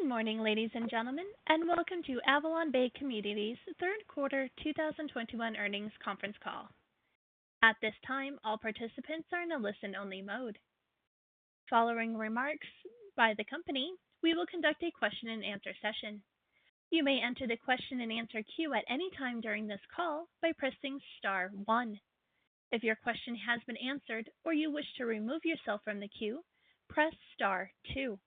Good morning, ladies and gentlemen, and welcome to AvalonBay Communities' Q3 2021 earnings conference call. At this time, all participants are in a listen-only mode. Following remarks by the company, we will conduct a question-and-answer session. You may enter the question-and-answer queue at any time during this call by pressing star one. If your question has been answered or you wish to remove yourself from the queue, press star two. If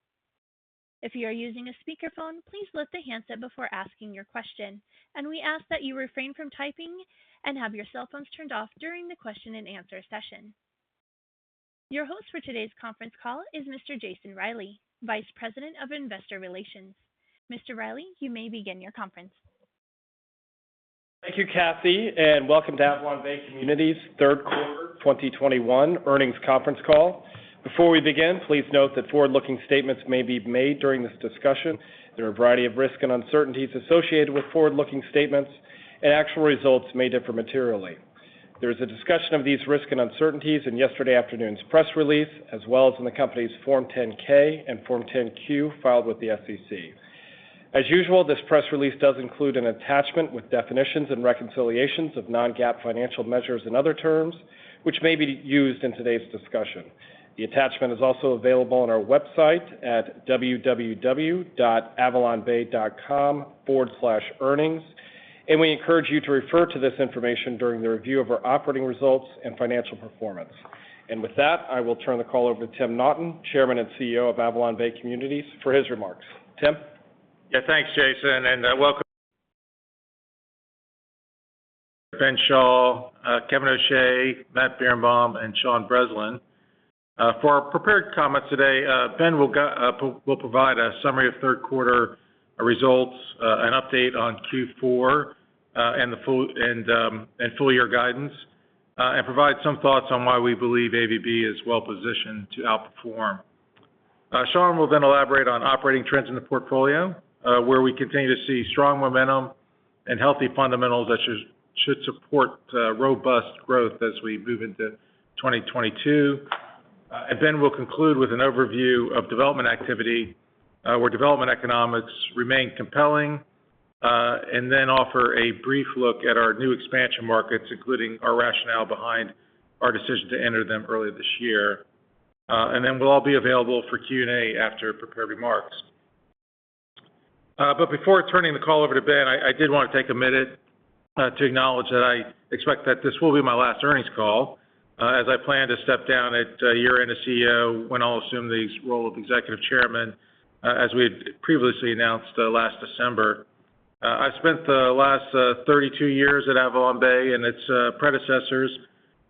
you are using a speakerphone, please lift the handset before asking your question. We ask that you refrain from typing and have your cell phones turned off during the question-and-answer session. Your host for today's conference call is Mr. Jason Reilley, Vice President of Investor Relations. Mr. Reilley, you may begin your conference. Thank you, Kathy, and welcome to AvalonBay Communities' Q3 2021 earnings conference call. Before we begin, please note that forward-looking statements may be made during this discussion. There are a variety of risks and uncertainties associated with forward-looking statements, and actual results may differ materially. There is a discussion of these risks and uncertainties in yesterday afternoon's press release, as well as in the company's Form 10-K and Form 10-Q filed with the SEC. As usual, this press release does include an attachment with definitions and reconciliations of non-GAAP financial measures and other terms which may be used in today's discussion. The attachment is also available on our website at www.avalonbay.com/earnings. We encourage you to refer to this information during the review of our operating results and financial performance. With that, I will turn the call over to Tim Naughton, Chairman and CEO of AvalonBay Communities, for his remarks. Tim. Yeah. Thanks, Jason, and welcome Ben Schall, Kevin O'Shea, Matt Birenbaum, and Sean Breslin. For our prepared comments today, Ben will provide a summary of Q3 results, an update on Q4, and full year guidance, and provide some thoughts on why we believe AVB is well positioned to outperform. Sean will then elaborate on operating trends in the portfolio, where we continue to see strong momentum and healthy fundamentals that should support robust growth as we move into 2022. Ben will conclude with an overview of development activity, where development economics remain compelling, and then offer a brief look at our new expansion markets, including our rationale behind our decision to enter them earlier this year. We'll all be available for Q&A after prepared remarks. Before turning the call over to Ben, I did wanna take a minute to acknowledge that I expect that this will be my last earnings call, as I plan to step down at year-end as CEO when I'll assume the role of Executive Chairman, as we had previously announced last December. I spent the last 32 years at AvalonBay and its predecessors.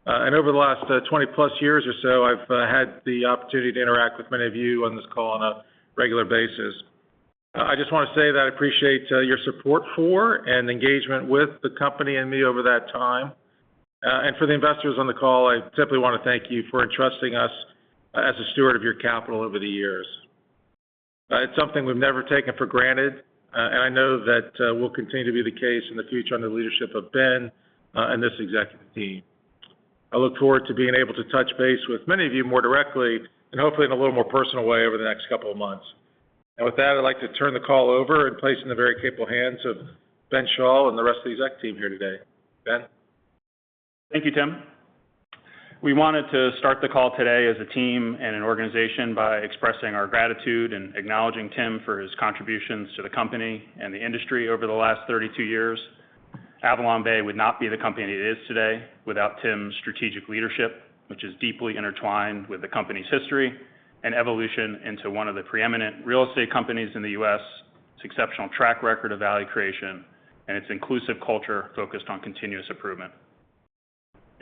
Over the last 20-plus years or so, I've had the opportunity to interact with many of you on this call on a regular basis. I just wanna say that I appreciate your support for and engagement with the company and me over that time. For the investors on the call, I simply wanna thank you for entrusting us as a steward of your capital over the years. It's something we've never taken for granted. I know that will continue to be the case in the future under the leadership of Ben and this executive team. I look forward to being able to touch base with many of you more directly and hopefully in a little more personal way over the next couple of months. With that, I'd like to turn the call over and place in the very capable hands of Ben Schall and the rest of the exec team here today. Ben. Thank you, Tim. We wanted to start the call today as a team and an organization by expressing our gratitude and acknowledging Tim for his contributions to the company and the industry over the last 32 years. AvalonBay would not be the company it is today without Tim's strategic leadership, which is deeply intertwined with the company's history and evolution into one of the preeminent real estate companies in the U.S., its exceptional track record of value creation, and its inclusive culture focused on continuous improvement.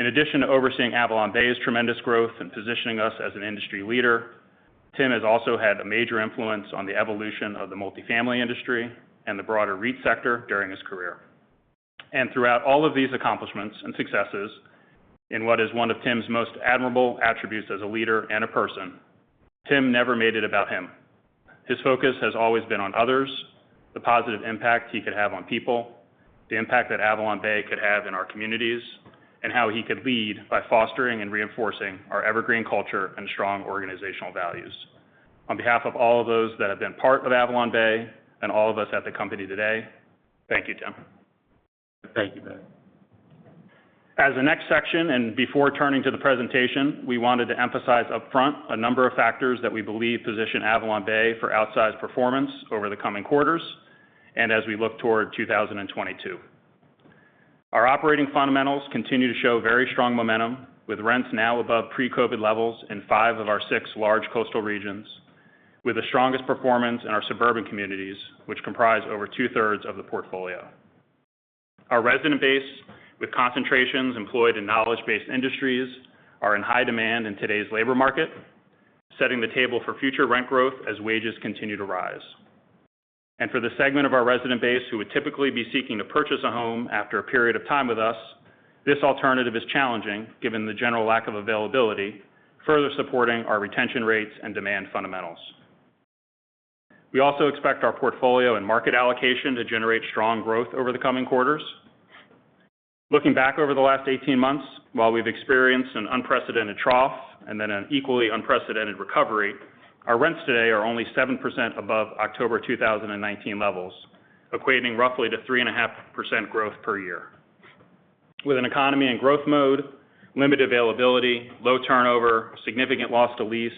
In addition to overseeing AvalonBay's tremendous growth and positioning us as an industry leader, Tim has also had a major influence on the evolution of the multifamily industry and the broader REIT sector during his career. Throughout all of these accomplishments and successes, in what is one of Tim's most admirable attributes as a leader and a person, Tim never made it about him. His focus has always been on others, the positive impact he could have on people, the impact that AvalonBay could have in our communities, and how he could lead by fostering and reinforcing our evergreen culture and strong organizational values. On behalf of all of those that have been part of AvalonBay and all of us at the company today, thank you, Tim. Thank you, Ben. As the next section and before turning to the presentation, we wanted to emphasize upfront a number of factors that we believe position AvalonBay for outsized performance over the coming quarters and as we look toward 2022. Our operating fundamentals continue to show very strong momentum, with rents now above pre-COVID levels in 5 of our 6 large coastal regions, with the strongest performance in our suburban communities, which comprise over two-thirds of the portfolio. Our resident base, with concentrations employed in knowledge-based industries, are in high demand in today's labor market, setting the table for future rent growth as wages continue to rise. For the segment of our resident base who would typically be seeking to purchase a home after a period of time with us, this alternative is challenging given the general lack of availability, further supporting our retention rates and demand fundamentals. We also expect our portfolio and market allocation to generate strong growth over the coming quarters. Looking back over the last 18 months, while we've experienced an unprecedented trough and then an equally unprecedented recovery, our rents today are only 7% above October 2019 levels, equating roughly to 3.5% growth per year. With an economy in growth mode, limited availability, low turnover, significant loss to lease,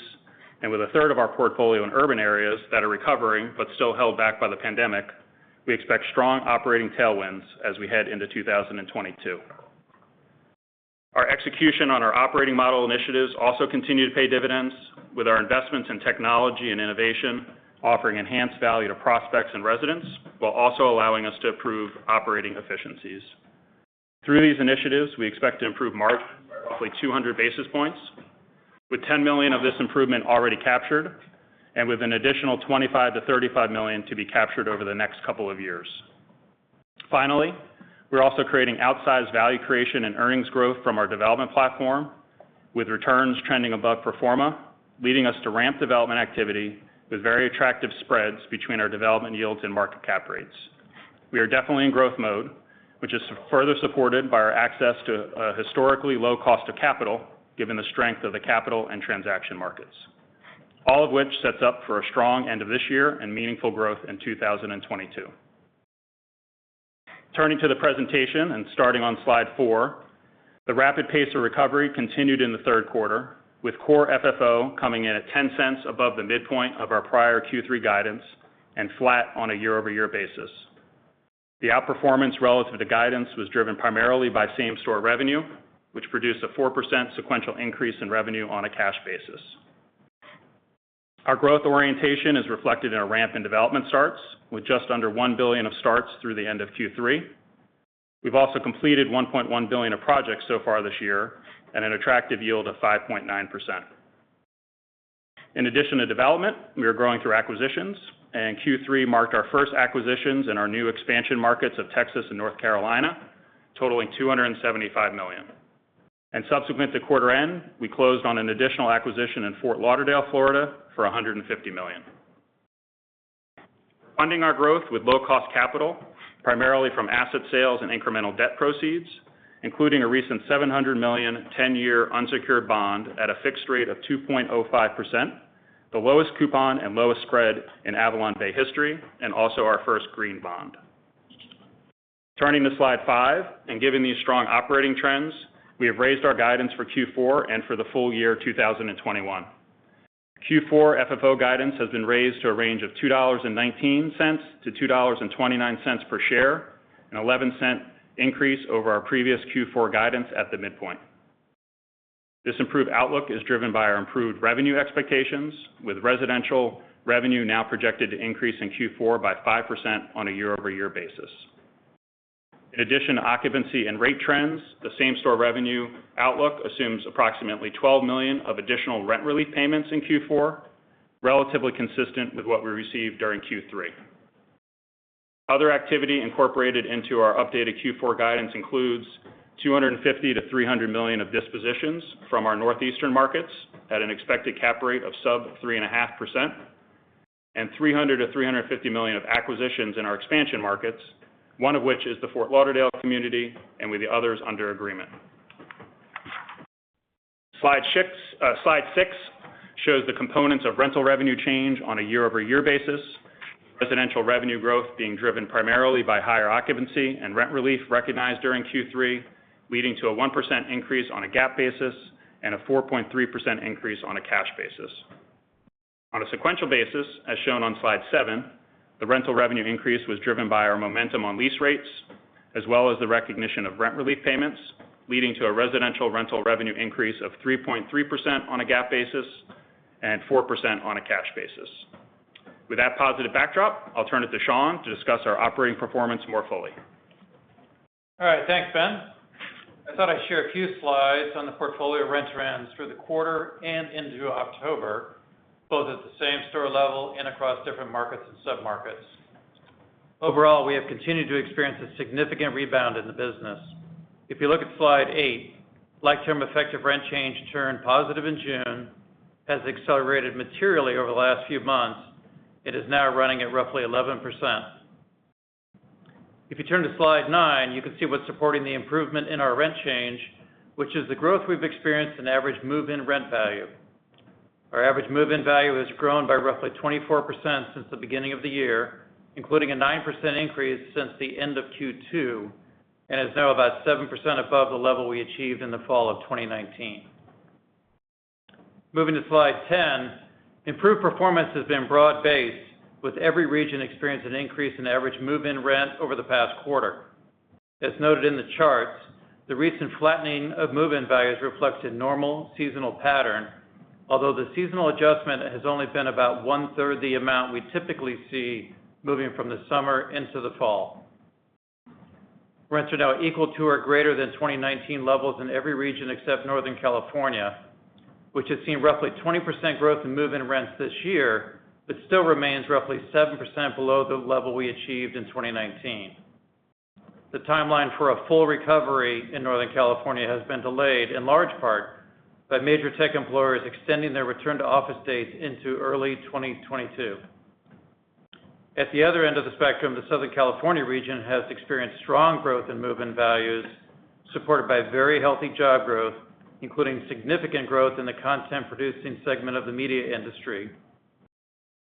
and with a third of our portfolio in urban areas that are recovering but still held back by the pandemic, we expect strong operating tailwinds as we head into 2022. Our execution on our operating model initiatives also continue to pay dividends with our investments in technology and innovation, offering enhanced value to prospects and residents while also allowing us to improve operating efficiencies. Through these initiatives, we expect to improve margin roughly 200 basis points, with $10 million of this improvement already captured and with an additional $25-35 million to be captured over the next couple of years. Finally, we're also creating outsized value creation and earnings growth from our development platform, with returns trending above pro forma, leading us to ramp development activity with very attractive spreads between our development yields and market cap rates. We are definitely in growth mode, which is further supported by our access to a historically low cost of capital given the strength of the capital and transaction markets. All of which sets up for a strong end of this year and meaningful growth in 2022. Turning to the presentation and starting on slide four, the rapid pace of recovery continued in the Q3, with core FFO coming in at $0.10 above the midpoint of our prior Q3 guidance and flat on a year-over-year basis. The outperformance relative to guidance was driven primarily by same-store revenue, which produced a 4% sequential increase in revenue on a cash basis. Our growth orientation is reflected in a ramp in development starts, with just under $1 billion of starts through the end of Q3. We've also completed $1.1 billion of projects so far this year at an attractive yield of 5.9%. In addition to development, we are growing through acquisitions, and Q3 marked our first acquisitions in our new expansion markets of Texas and North Carolina, totaling $275 million. Subsequent to quarter end, we closed on an additional acquisition in Fort Lauderdale, Florida, for $150 million. Funding our growth with low-cost capital, primarily from asset sales and incremental debt proceeds, including a recent $700 million 10-year unsecured bond at a fixed rate of 2.05%, the lowest coupon and lowest spread in AvalonBay history, and also our first green bond. Turning to slide five, and given these strong operating trends, we have raised our guidance for Q4 and for the full year 2021. Q4 FFO guidance has been raised to a range of $2.19-2.29 per share, an $0.11 increase over our previous Q4 guidance at the midpoint. This improved outlook is driven by our improved revenue expectations, with residential revenue now projected to increase in Q4 by 5% on a year-over-year basis. In addition to occupancy and rate trends, the same-store revenue outlook assumes approximately $12 million of additional rent relief payments in Q4, relatively consistent with what we received during Q3. Other activity incorporated into our updated Q4 guidance includes $250 million-$300 million of dispositions from our northeastern markets at an expected cap rate of sub-3.5%, and $300-350 million of acquisitions in our expansion markets, one of which is the Fort Lauderdale community and with the others under agreement. Slide six shows the components of rental revenue change on a year-over-year basis. Residential revenue growth being driven primarily by higher occupancy and rent relief recognized during Q3, leading to a 1% increase on a GAAP basis and a 4.3% increase on a cash basis. On a sequential basis, as shown on slide seven, the rental revenue increase was driven by our momentum on lease rates as well as the recognition of rent relief payments, leading to a residential rental revenue increase of 3.3% on a GAAP basis and 4% on a cash basis. With that positive backdrop, I'll turn it to Sean to discuss our operating performance more fully. All right. Thanks, Ben. I thought I'd share a few slides on the portfolio rent trends for the quarter and into October, both at the same-store level and across different markets and submarkets. Overall, we have continued to experience a significant rebound in the business. If you look at slide eight, like-term effective rent change turned positive in June, has accelerated materially over the last few months, and is now running at roughly 11%. If you turn to slide nine, you can see what's supporting the improvement in our rent change, which is the growth we've experienced in average move-in rent value. Our average move-in value has grown by roughly 24% since the beginning of the year, including a 9% increase since the end of Q2, and is now about 7% above the level we achieved in the fall of 2019. Moving to slide 10, improved performance has been broad-based, with every region experiencing an increase in average move-in rent over the past quarter. As noted in the charts, the recent flattening of move-in values reflects a normal seasonal pattern, although the seasonal adjustment has only been about one-third the amount we typically see moving from the summer into the fall. Rents are now equal to or greater than 2019 levels in every region except Northern California, which has seen roughly 20% growth in move-in rents this year, but still remains roughly 7% below the level we achieved in 2019. The timeline for a full recovery in Northern California has been delayed in large part by major tech employers extending their return to office dates into early 2022. At the other end of the spectrum, the Southern California region has experienced strong growth in move-in values, supported by very healthy job growth, including significant growth in the content producing segment of the media industry,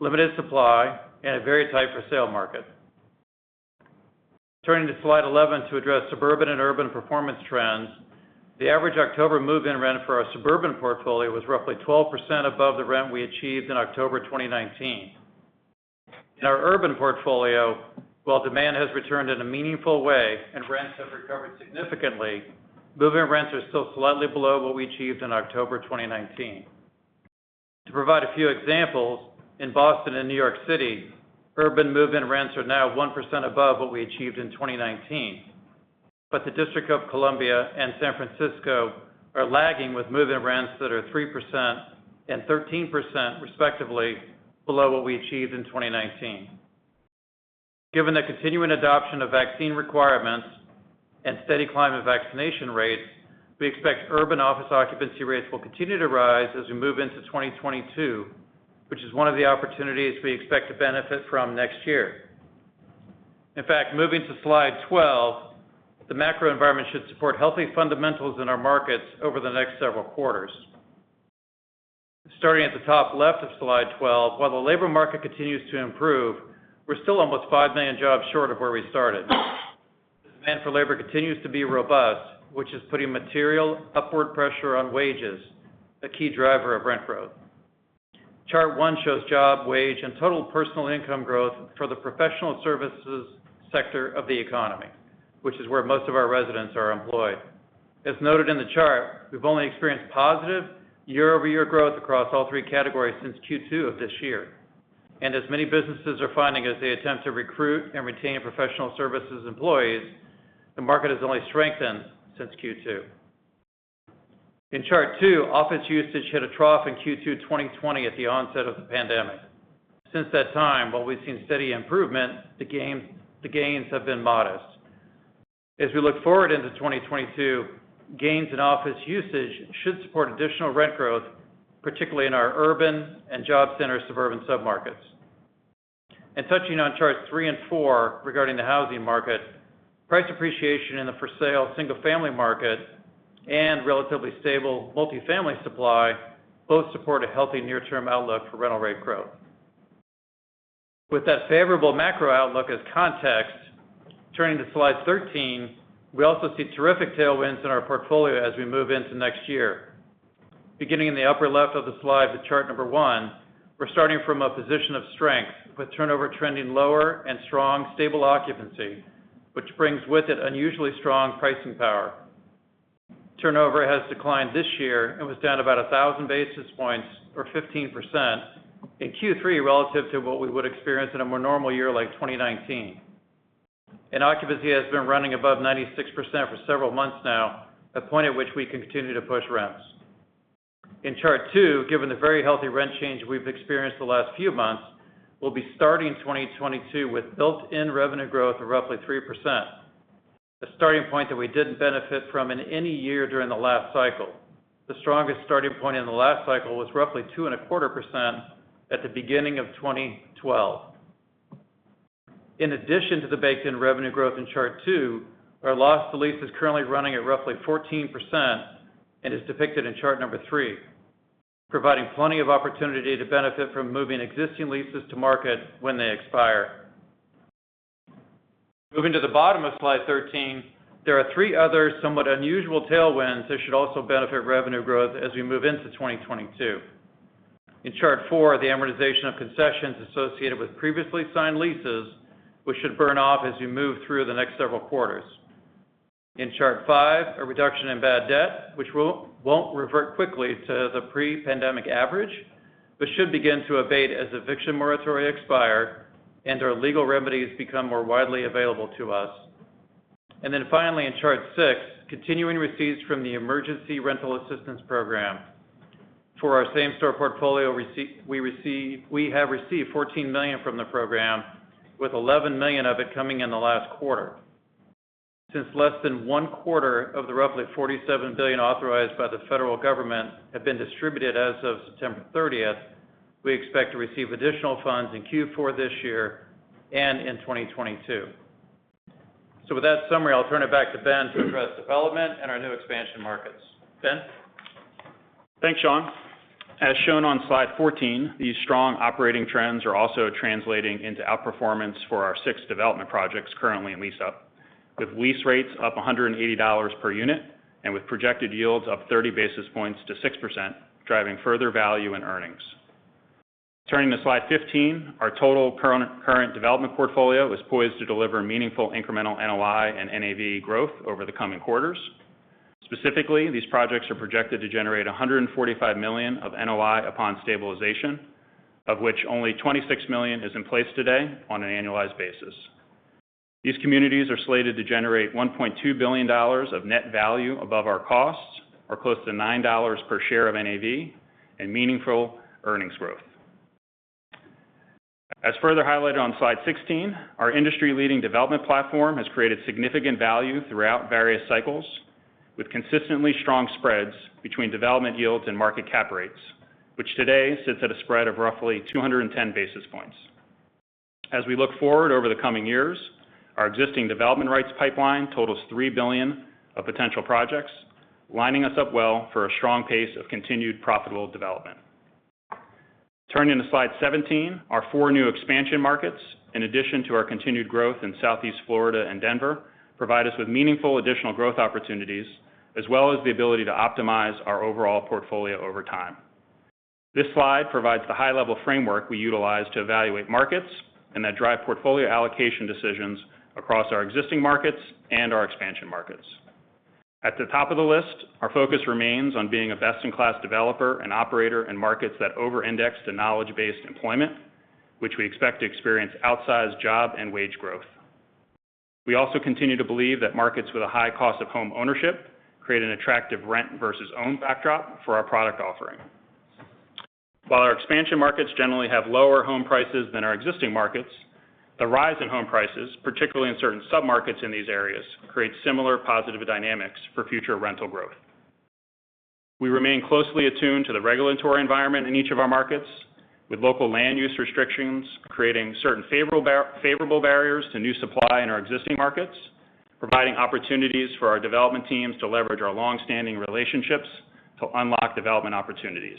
limited supply, and a very tight for sale market. Turning to slide 11 to address suburban and urban performance trends. The average October move-in rent for our suburban portfolio was roughly 12% above the rent we achieved in October 2019. In our urban portfolio, while demand has returned in a meaningful way and rents have recovered significantly, move-in rents are still slightly below what we achieved in October 2019. To provide a few examples, in Boston and New York City, urban move-in rents are now 1% above what we achieved in 2019. The District of Columbia and San Francisco are lagging with move-in rents that are 3% and 13% respectively below what we achieved in 2019. Given the continuing adoption of vaccine requirements and steady climb in vaccination rates, we expect urban office occupancy rates will continue to rise as we move into 2022, which is one of the opportunities we expect to benefit from next year. In fact, moving to slide 12, the macro environment should support healthy fundamentals in our markets over the next several quarters. Starting at the top left of slide 12, while the labor market continues to improve, we're still almost 5 million jobs short of where we started. The demand for labor continues to be robust, which is putting material upward pressure on wages, a key driver of rent growth. Chart one shows job wage and total personal income growth for the professional services sector of the economy, which is where most of our residents are employed. As noted in the chart, we've only experienced positive year-over-year growth across all three categories since Q2 of this year. As many businesses are finding as they attempt to recruit and retain professional services employees, the market has only strengthened since Q2. In Chart two, office usage hit a trough in Q2 2020 at the onset of the pandemic. Since that time, while we've seen steady improvement, the gains have been modest. As we look forward into 2022, gains in office usage should support additional rent growth, particularly in our urban and job center suburban sub-markets. Touching on charts three and four regarding the housing market, price appreciation in the for sale single family market and relatively stable multi-family supply both support a healthy near-term outlook for rental rate growth. With that favorable macro outlook as context, turning to slide 13, we also see terrific tailwinds in our portfolio as we move into next year. Beginning in the upper left of the slide with chart number one, we're starting from a position of strength with turnover trending lower and strong stable occupancy, which brings with it unusually strong pricing power. Turnover has declined this year and was down about 1,000 basis points or 15% in Q3 relative to what we would experience in a more normal year like 2019. Occupancy has been running above 96% for several months now, a point at which we can continue to push rents. In chart two, given the very healthy rent change we've experienced the last few months, we'll be starting 2022 with built-in revenue growth of roughly 3%, the starting point that we didn't benefit from in any year during the last cycle. The strongest starting point in the last cycle was roughly 2.25% at the beginning of 2012. In addition to the baked in revenue growth in chart two, our loss to lease is currently running at roughly 14% and is depicted in chart three, providing plenty of opportunity to benefit from moving existing leases to market when they expire. Moving to the bottom of slide 13, there are three other somewhat unusual tailwinds that should also benefit revenue growth as we move into 2022. In chart four, the amortization of concessions associated with previously signed leases, which should burn off as you move through the next several quarters. In chart five, a reduction in bad debt, which won't revert quickly to the pre-pandemic average, but should begin to abate as eviction moratorium expire and our legal remedies become more widely available to us. Finally, in chart six, continuing receipts from the Emergency Rental Assistance Program. For our same-store portfolio, we have received $14 million from the program, with $11 million of it coming in the last quarter. Since less than one quarter of the roughly $47 billion authorized by the federal government have been distributed as of September 30, we expect to receive additional funds in Q4 this year and in 2022. With that summary, I'll turn it back to Ben to address development and our new expansion markets. Ben. Thanks, Sean. As shown on slide 14, these strong operating trends are also translating into outperformance for our 6 development projects currently in lease up, with lease rates up $180 per unit and with projected yields up 30 basis points to 6%, driving further value and earnings. Turning to slide 15, our total current development portfolio is poised to deliver meaningful incremental NOI and NAV growth over the coming quarters. Specifically, these projects are projected to generate $145 million of NOI upon stabilization, of which only $26 million is in place today on an annualized basis. These communities are slated to generate $1.2 billion of net value above our costs, or close to $9 per share of NAV and meaningful earnings growth. As further highlighted on slide 16, our industry leading development platform has created significant value throughout various cycles. With consistently strong spreads between development yields and market cap rates, which today sits at a spread of roughly 210 basis points. As we look forward over the coming years, our existing development rights pipeline totals $3 billion of potential projects, lining us up well for a strong pace of continued profitable development. Turning to slide 17, our four new expansion markets, in addition to our continued growth in Southeast Florida and Denver, provide us with meaningful additional growth opportunities as well as the ability to optimize our overall portfolio over time. This slide provides the high level framework we utilize to evaluate markets and that drive portfolio allocation decisions across our existing markets and our expansion markets. At the top of the list, our focus remains on being a best-in-class developer and operator in markets that over-index to knowledge-based employment, which we expect to experience outsized job and wage growth. We also continue to believe that markets with a high cost of home ownership create an attractive rent versus own backdrop for our product offering. While our expansion markets generally have lower home prices than our existing markets, the rise in home prices, particularly in certain submarkets in these areas, create similar positive dynamics for future rental growth. We remain closely attuned to the regulatory environment in each of our markets, with local land use restrictions creating certain favorable barriers to new supply in our existing markets, providing opportunities for our development teams to leverage our long-standing relationships to unlock development opportunities.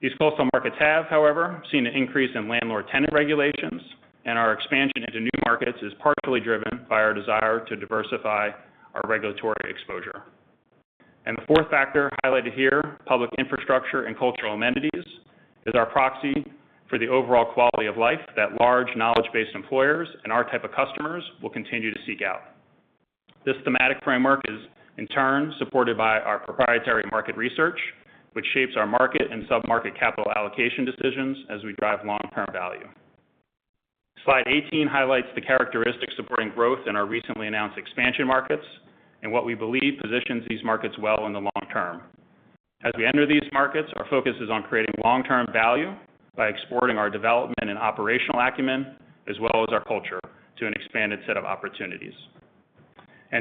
These coastal markets have, however, seen an increase in landlord-tenant regulations, and our expansion into new markets is partially driven by our desire to diversify our regulatory exposure. The fourth factor highlighted here, public infrastructure and cultural amenities, is our proxy for the overall quality of life that large knowledge-based employers and our type of customers will continue to seek out. This thematic framework is in turn supported by our proprietary market research, which shapes our market and submarket capital allocation decisions as we drive long-term value. Slide 18 highlights the characteristics supporting growth in our recently announced expansion markets, and what we believe positions these markets well in the long term. As we enter these markets, our focus is on creating long-term value by exporting our development and operational acumen as well as our culture to an expanded set of opportunities.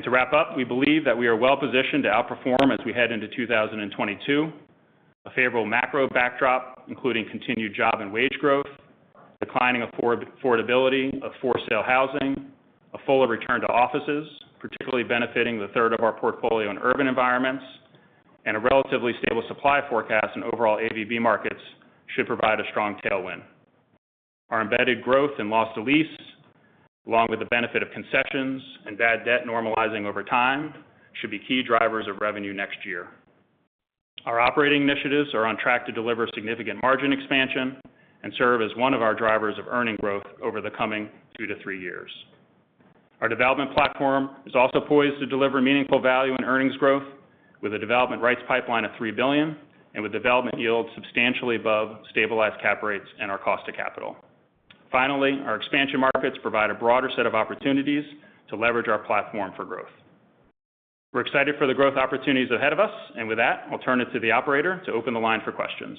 To wrap up, we believe that we are well positioned to outperform as we head into 2022. A favorable macro backdrop, including continued job and wage growth, declining affordability of for-sale housing, a fuller return to offices, particularly benefiting the third of our portfolio in urban environments, and a relatively stable supply forecast in overall AVB markets should provide a strong tailwind. Our embedded growth in loss to lease, along with the benefit of concessions and bad debt normalizing over time, should be key drivers of revenue next year. Our operating initiatives are on track to deliver significant margin expansion and serve as one of our drivers of earning growth over the coming 2-3 years. Our development platform is also poised to deliver meaningful value and earnings growth with a development rights pipeline of $3 billion and with development yields substantially above stabilized cap rates and our cost of capital. Finally, our expansion markets provide a broader set of opportunities to leverage our platform for growth. We're excited for the growth opportunities ahead of us, and with that, I'll turn it to the operator to open the line for questions.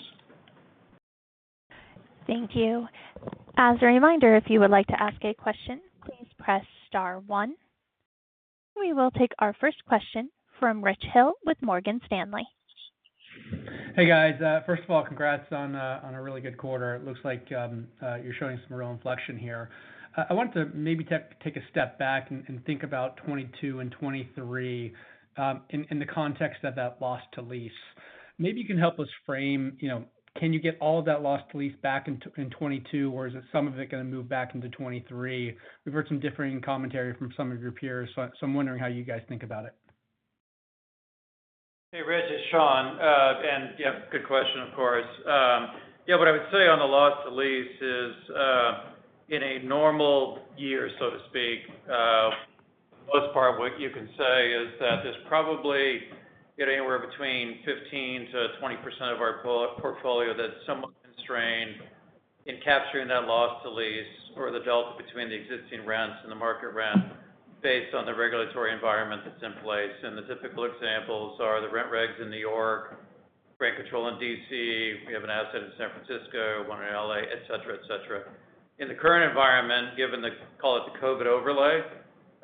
Thank you. As a reminder, if you would like to ask a question, please press star one. We will take our first question from Rich Hill with Morgan Stanley. Hey, guys. First of all, congrats on a really good quarter. It looks like you're showing some real inflection here. I want to maybe take a step back and think about 2022 and 2023, in the context of that loss to lease. Maybe you can help us frame, you know, can you get all of that loss to lease back in 2022, or is it some of it gonna move back into 2023? We've heard some differing commentary from some of your peers, so I'm wondering how you guys think about it. Hey, Rich, it's Sean. Yeah, good question, of course. Yeah, what I would say on the loss to lease is, in a normal year, so to speak, for the most part, what you can say is that there's probably getting anywhere between 15-20% of our portfolio that's somewhat constrained in capturing that loss to lease or the delta between the existing rents and the market rent based on the regulatory environment that's in place. The typical examples are the rent regs in New York, rent control in D.C., we have an asset in San Francisco, one in L.A., et cetera, et cetera. In the current environment, given the call it the COVID overlay,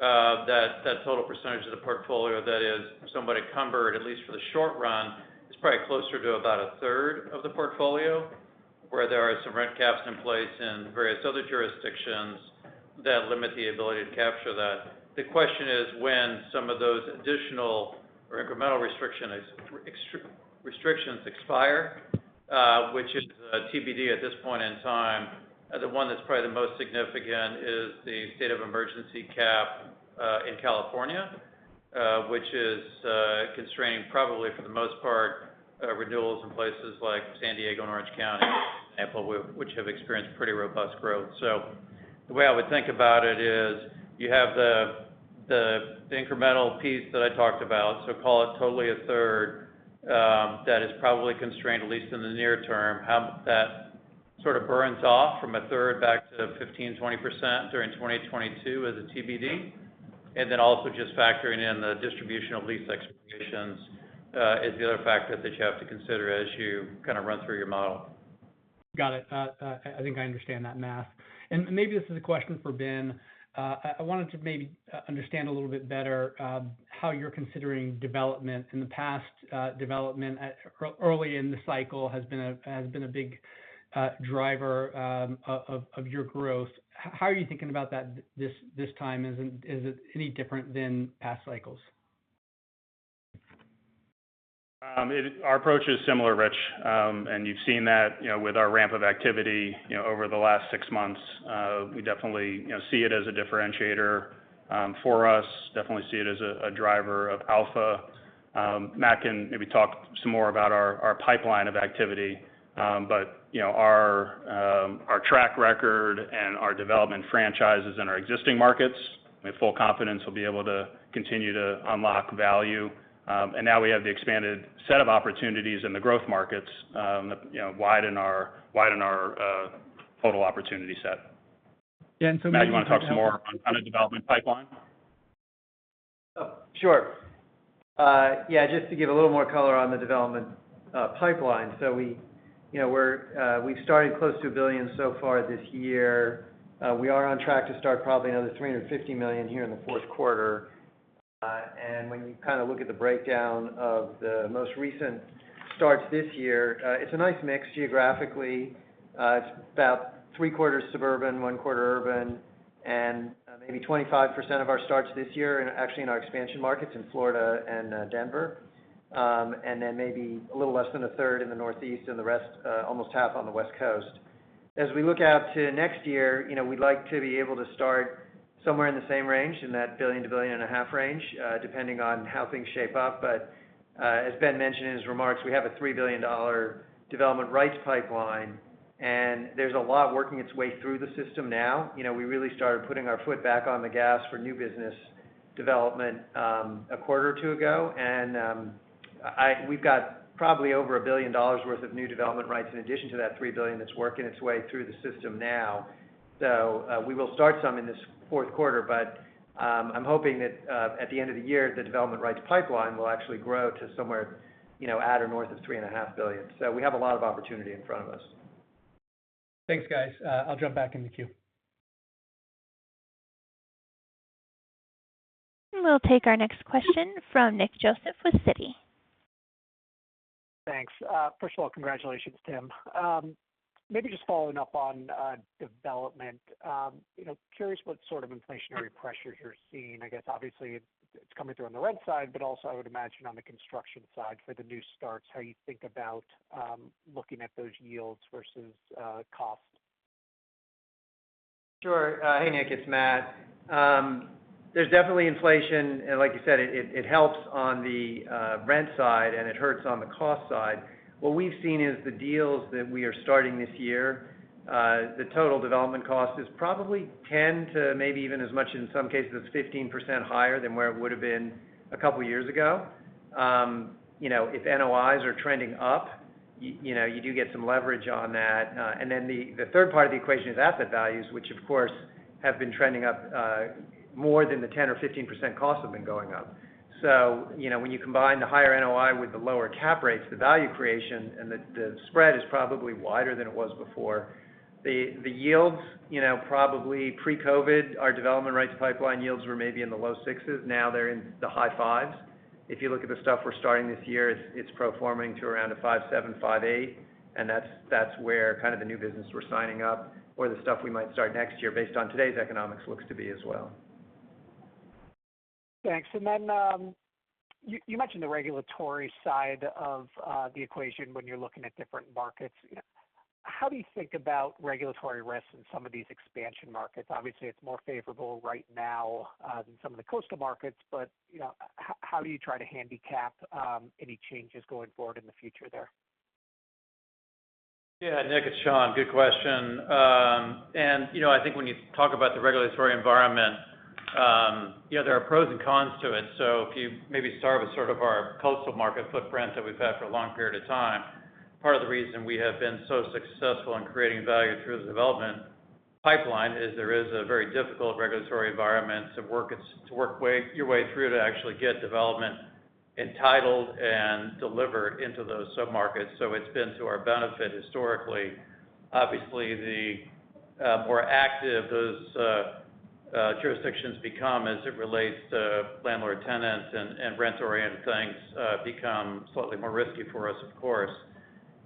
that total percentage of the portfolio that is somewhat encumbered, at least for the short run, is probably closer to about a third of the portfolio, where there are some rent caps in place in various other jurisdictions that limit the ability to capture that. The question is when some of those additional or incremental restrictions expire, which is TBD at this point in time. The one that's probably the most significant is the state of emergency cap in California, which is constraining probably for the most part renewals in places like San Diego and Orange County, for example, which have experienced pretty robust growth. The way I would think about it is you have the incremental piece that I talked about, so call it totally a third, that is probably constrained, at least in the near term. How that sort of burns off from a third back to 15%-20% during 2022 is a TBD. Just factoring in the distribution of lease expirations is the other factor that you have to consider as you kind of run through your model. Got it. I think I understand that, Matt. Maybe this is a question for Ben. I wanted to maybe understand a little bit better how you're considering development. In the past, development early in the cycle has been a big driver of your growth. How are you thinking about that this time? Is it any different than past cycles? Our approach is similar, Rich. You've seen that, you know, with our ramp of activity, you know, over the last six months. We definitely, you know, see it as a differentiator for us. Definitely see it as a driver of alpha. Matt can maybe talk some more about our pipeline of activity. You know, our track record and our development franchises in our existing markets, we have full confidence we'll be able to continue to unlock value. Now we have the expanded set of opportunities in the growth markets that, you know, widen our total opportunity set. Dan, maybe you can help- Matt, do you wanna talk some more on a development pipeline? Oh, sure. Yeah, just to give a little more color on the development pipeline. We, you know, we've started close to $1 billion so far this year. We are on track to start probably another $350 million here in the Q4. When you kind of look at the breakdown of the most recent starts this year, it's a nice mix geographically. It's about three quarters suburban, one quarter urban, and maybe 25% of our starts this year are actually in our expansion markets in Florida and Denver. Then maybe a little less than a third in the Northeast and the rest almost half on the West Coast. As we look out to next year, you know, we'd like to be able to start somewhere in the same range, in that $1 -1.5 billion range, depending on how things shape up. As Ben mentioned in his remarks, we have a $3 billion development rights pipeline, and there's a lot working its way through the system now. You know, we really started putting our foot back on the gas for new business development, a quarter or two ago. We've got probably over $1 billion worth of new development rights in addition to that $3 billion that's working its way through the system now. We will start some in this Q4, but I'm hoping that at the end of the year, the development rights pipeline will actually grow to somewhere, you know, at or north of $3.5 billion. We have a lot of opportunity in front of us. Thanks, guys. I'll jump back in the queue. We'll take our next question from Nick Joseph with Citi. Thanks. First of all, congratulations, Tim. Maybe just following up on development. You know, curious what sort of inflationary pressures you're seeing. I guess obviously it's coming through on the rent side, but also I would imagine on the construction side for the new starts, how you think about looking at those yields versus cost. Hey, Nick, it's Matt. There's definitely inflation, and like you said, it helps on the rent side and it hurts on the cost side. What we've seen is the deals that we are starting this year, the total development cost is probably 10 to maybe even as much in some cases, 15% higher than where it would've been a couple years ago. You know, if NOIs are trending up, you know, you do get some leverage on that. Then the third part of the equation is asset values, which of course have been trending up, more than the 10 or 15% costs have been going up. You know, when you combine the higher NOI with the lower cap rates, the value creation and the spread is probably wider than it was before. The yields, you know, probably pre-COVID, our development rights pipeline yields were maybe in the low 6s, now they're in the high 5s. If you look at the stuff we're starting this year, it's performing to around a 5.7-5.8%, and that's where kind of the new business we're signing up or the stuff we might start next year based on today's economics looks to be as well. Thanks. You mentioned the regulatory side of the equation when you're looking at different markets. How do you think about regulatory risks in some of these expansion markets? Obviously, it's more favorable right now than some of the coastal markets, but, you know, how do you try to handicap any changes going forward in the future there? Yeah. Nick, it's Sean. Good question. You know, I think when you talk about the regulatory environment, yeah, there are pros and cons to it. If you maybe start with sort of our coastal market footprint that we've had for a long period of time, part of the reason we have been so successful in creating value through the development pipeline is there is a very difficult regulatory environment to work your way through to actually get development entitled and delivered into those submarkets. It's been to our benefit historically. Obviously, the more active those jurisdictions become as it relates to landlord-tenants and rent-oriented things become slightly more risky for us, of course.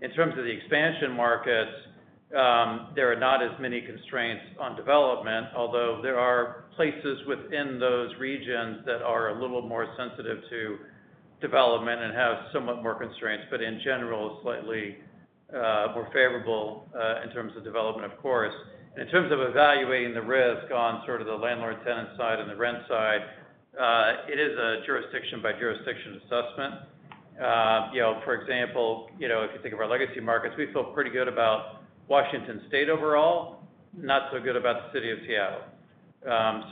In terms of the expansion markets, there are not as many constraints on development, although there are places within those regions that are a little more sensitive to development and have somewhat more constraints, but in general, slightly, more favorable, in terms of development, of course. In terms of evaluating the risk on sort of the landlord-tenant side and the rent side, it is a jurisdiction-by-jurisdiction assessment. You know, for example, you know, if you think of our legacy markets, we feel pretty good about Washington State overall, not so good about the City of Seattle.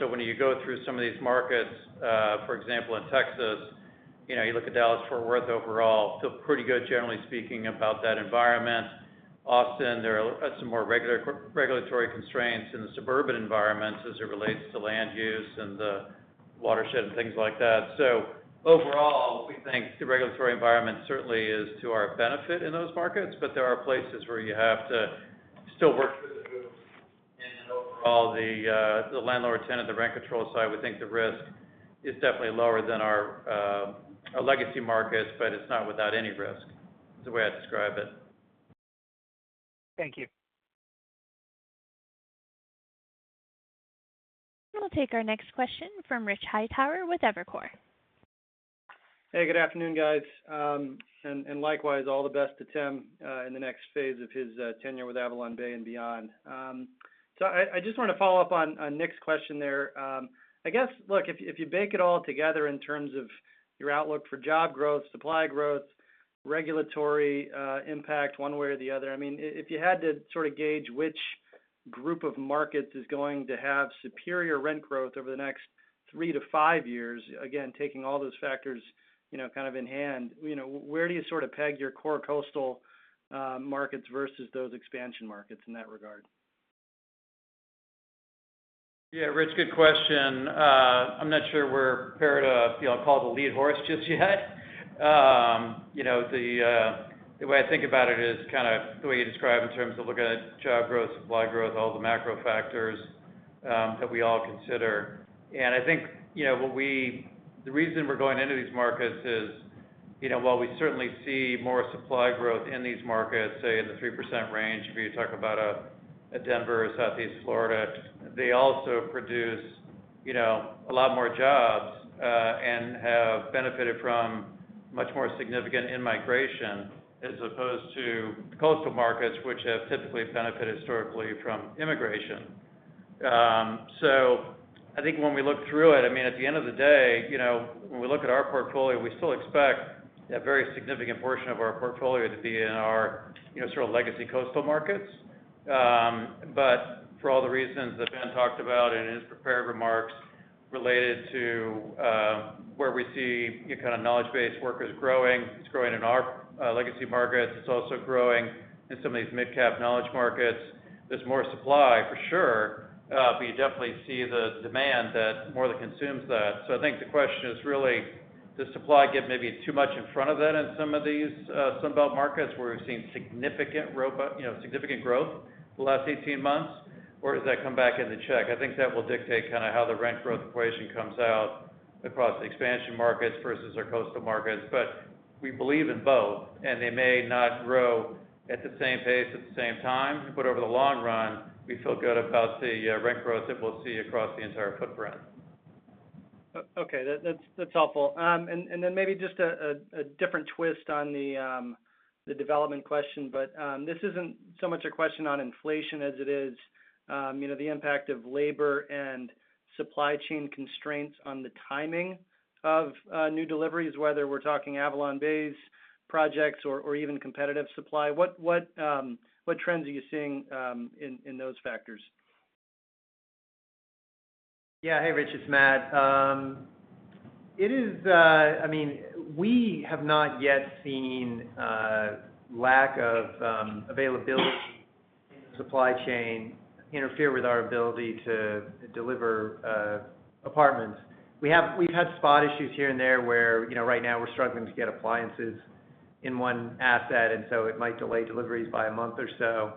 When you go through some of these markets, for example, in Texas, you know, you look at Dallas-Fort Worth overall, feel pretty good, generally speaking, about that environment. Austin, there are some more regulatory constraints in the suburban environments as it relates to land use and the watershed and things like that. Overall, we think the regulatory environment certainly is to our benefit in those markets, but there are places where you have to still work through the moves. Overall, the landlord-tenant, the rent control side, we think the risk is definitely lower than our legacy markets, but it's not without any risk. It's the way I'd describe it. Thank you. We'll take our next question from Rich Hightower with Evercore. Hey, good afternoon, guys. Likewise, all the best to Tim in the next phase of his tenure with AvalonBay and beyond. I just wanna follow up on Nick's question there. I guess, look, if you bake it all together in terms of your outlook for job growth, supply growth, regulatory impact one way or the other, I mean, if you had to sort of gauge which group of markets is going to have superior rent growth over the next three to five years, again, taking all those factors, you know, kind of in hand, you know, where do you sort of peg your core coastal markets versus those expansion markets in that regard? Yeah, Rich, good question. I'm not sure we're prepared to, you know, call the lead horse just yet. You know, the way I think about it is kind of the way you described in terms of looking at job growth, supply growth, all the macro factors that we all consider. I think the reason we're going into these markets is, you know, while we certainly see more supply growth in these markets, say in the 3% range, if you talk about a Denver or Southeast Florida, they also produce, you know, a lot more jobs and have benefited from much more significant immigration as opposed to coastal markets, which have typically benefited historically from immigration. I think when we look through it, I mean, at the end of the day, you know, when we look at our portfolio, we still expect a very significant portion of our portfolio to be in our, you know, sort of legacy coastal markets. For all the reasons that Ben talked about in his prepared remarks related to where we see kind of knowledge-based workers growing, it's growing in our legacy markets. It's also growing in some of these midcap knowledge markets. There's more supply for sure, but you definitely see the demand that more than consumes that. I think the question is really, does supply get maybe too much in front of that in some of these Sun Belt markets where we've seen significant growth the last 18 months, or does that come back into check? I think that will dictate kind of how the rent growth equation comes out across the expansion markets versus our coastal markets. We believe in both, and they may not grow at the same pace at the same time. Over the long run, we feel good about the rent growth that we'll see across the entire footprint. Okay. That's helpful. Then maybe just a different twist on the development question. This isn't so much a question on inflation as it is you know the impact of labor and supply chain constraints on the timing of new deliveries, whether we're talking AvalonBay's projects or even competitive supply. What trends are you seeing in those factors? Yeah. Hey, Rich. It's Matt. We have not yet seen a lack of availability in the supply chain interfere with our ability to deliver apartments. We've had spot issues here and there, where, you know, right now we're struggling to get appliances in one asset, and so it might delay deliveries by a month or so.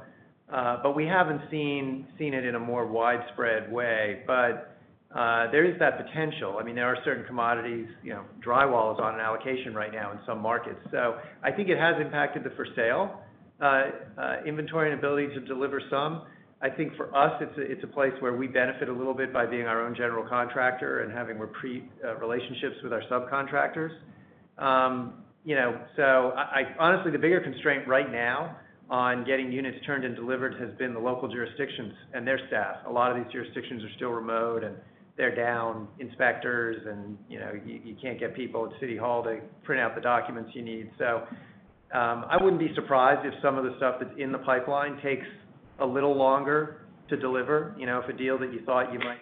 But we haven't seen it in a more widespread way. But there is that potential. I mean, there are certain commodities, you know, drywall is on an allocation right now in some markets. So I think it has impacted the for sale inventory and ability to deliver some. I think for us, it's a place where we benefit a little bit by being our own general contractor and having pre-existing relationships with our subcontractors. You know, honestly, the bigger constraint right now on getting units turned and delivered has been the local jurisdictions and their staff. A lot of these jurisdictions are still remote and they're down inspectors and, you know, you can't get people at City Hall to print out the documents you need. I wouldn't be surprised if some of the stuff that's in the pipeline takes a little longer to deliver. You know, if a deal that you thought you might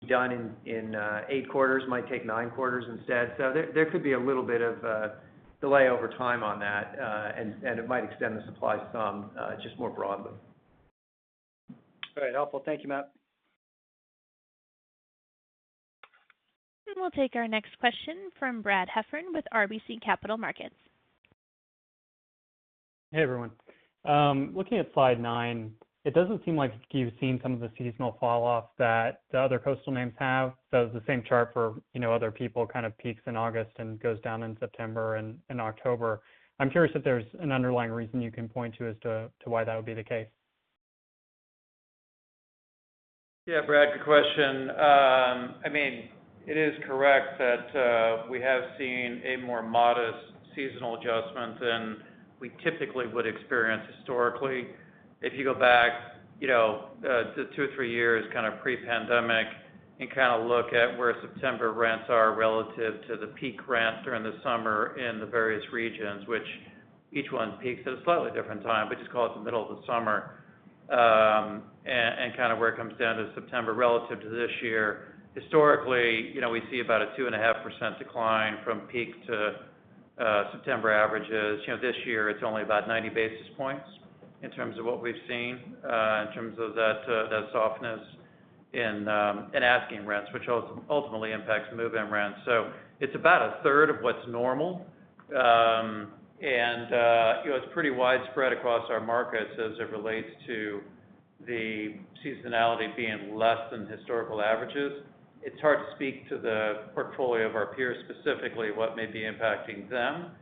be done in eight quarters might take nine quarters instead. There could be a little bit of a delay over time on that. It might extend the supply some just more broadly. Very helpful. Thank you, Matt. We'll take our next question from Brad Heffern with RBC Capital Markets. Hey, everyone. Looking at slide nine, it doesn't seem like you've seen some of the seasonal fall off that the other coastal names have. It's the same chart for, you know, other people, kind of peaks in August and goes down in September and October. I'm curious if there's an underlying reason you can point to as to why that would be the case. Yeah, Brad, good question. I mean, it is correct that we have seen a more modest seasonal adjustment than we typically would experience historically. If you go back, you know, to 2 - 3 years kind of pre-pandemic and kind of look at where September rents are relative to the peak rents during the summer in the various regions, which each one peaks at a slightly different time. We just call it the middle of the summer, and kind of where it comes down to September relative to this year. Historically, you know, we see about a 2.5% decline from peak to September averages. You know, this year it's only about 90 basis points in terms of what we've seen, in terms of that softness in asking rents, which ultimately impacts move-in rents. It's about a third of what's normal. You know, it's pretty widespread across our markets as it relates to the seasonality being less than historical averages. It's hard to speak to the portfolio of our peers, specifically what may be impacting them.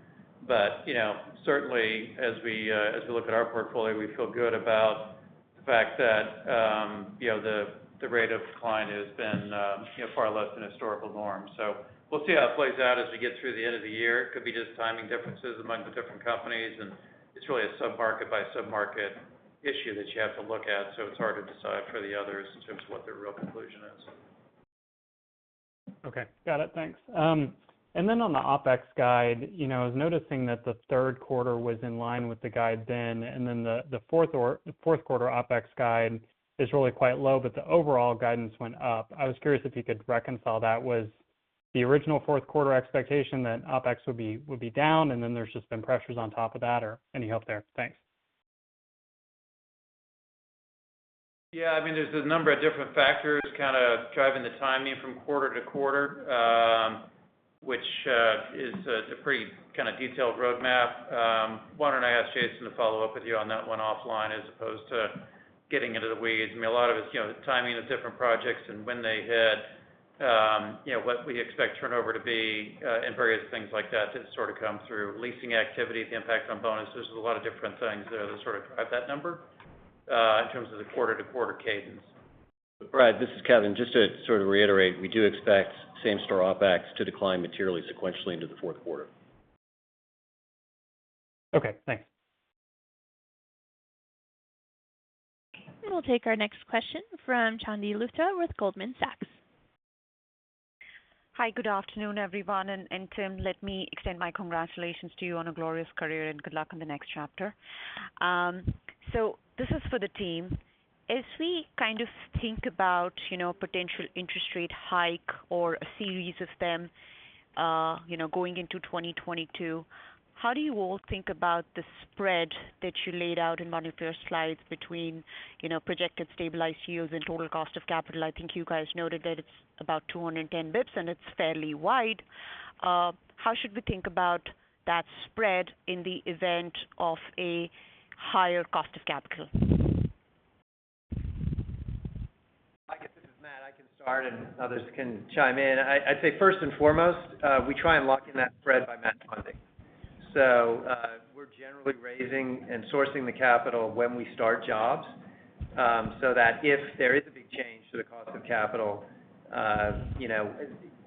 You know, certainly as we look at our portfolio, we feel good about the fact that, you know, the rate of decline has been, you know, far less than historical norms. We'll see how it plays out as we get through the end of the year. It could be just timing differences among the different companies, and it's really a sub-market by sub-market issue that you have to look at, so it's hard to decide for the others in terms of what their real conclusion is. Okay. Got it. Thanks. On the OpEx guide, you know, I was noticing that the Q3 was in line with the guide, and the Q4 OpEx guide is really quite low, but the overall guidance went up. I was curious if you could reconcile that. Was the original Q4 expectation that OpEx would be down, and then there's just been pressures on top of that? Or any help there? Thanks. Yeah. I mean, there's a number of different factors kinda driving the timing from quarter to quarter, which is it's a pretty kind of detailed roadmap. Why don't I ask Jason to follow up with you on that one offline as opposed to getting into the weeds. I mean, a lot of it's, you know, timing of different projects and when they hit, you know, what we expect turnover to be, and various things like that to sort of come through. Leasing activity, the impact on bonuses. There's a lot of different things there that sort of drive that number in terms of the quarter-to-quarter cadence. Brad, this is Kevin. Just to sort of reiterate, we do expect same-store OpEx to decline materially sequentially into the Q4. Okay, thanks. We'll take our next question from Chandni Luthra with Goldman Sachs. Hi. Good afternoon, everyone. Tim, let me extend my congratulations to you on a glorious career and good luck on the next chapter. So this is for the team. As we kind of think about, you know, potential interest rate hike or a series of them, you know, going into 2022, how do you all think about the spread that you laid out in one of your slides between, you know, projected stabilized yields and total cost of capital? I think you guys noted that it's about 210 bps, and it's fairly wide. How should we think about that spread in the event of a higher cost of capital? I guess this is Matt. I can start, and others can chime in. I'd say first and foremost, we try and lock in that spread by match funding. We're generally raising and sourcing the capital when we start jobs, so that if there is a big change to the cost of capital, you know,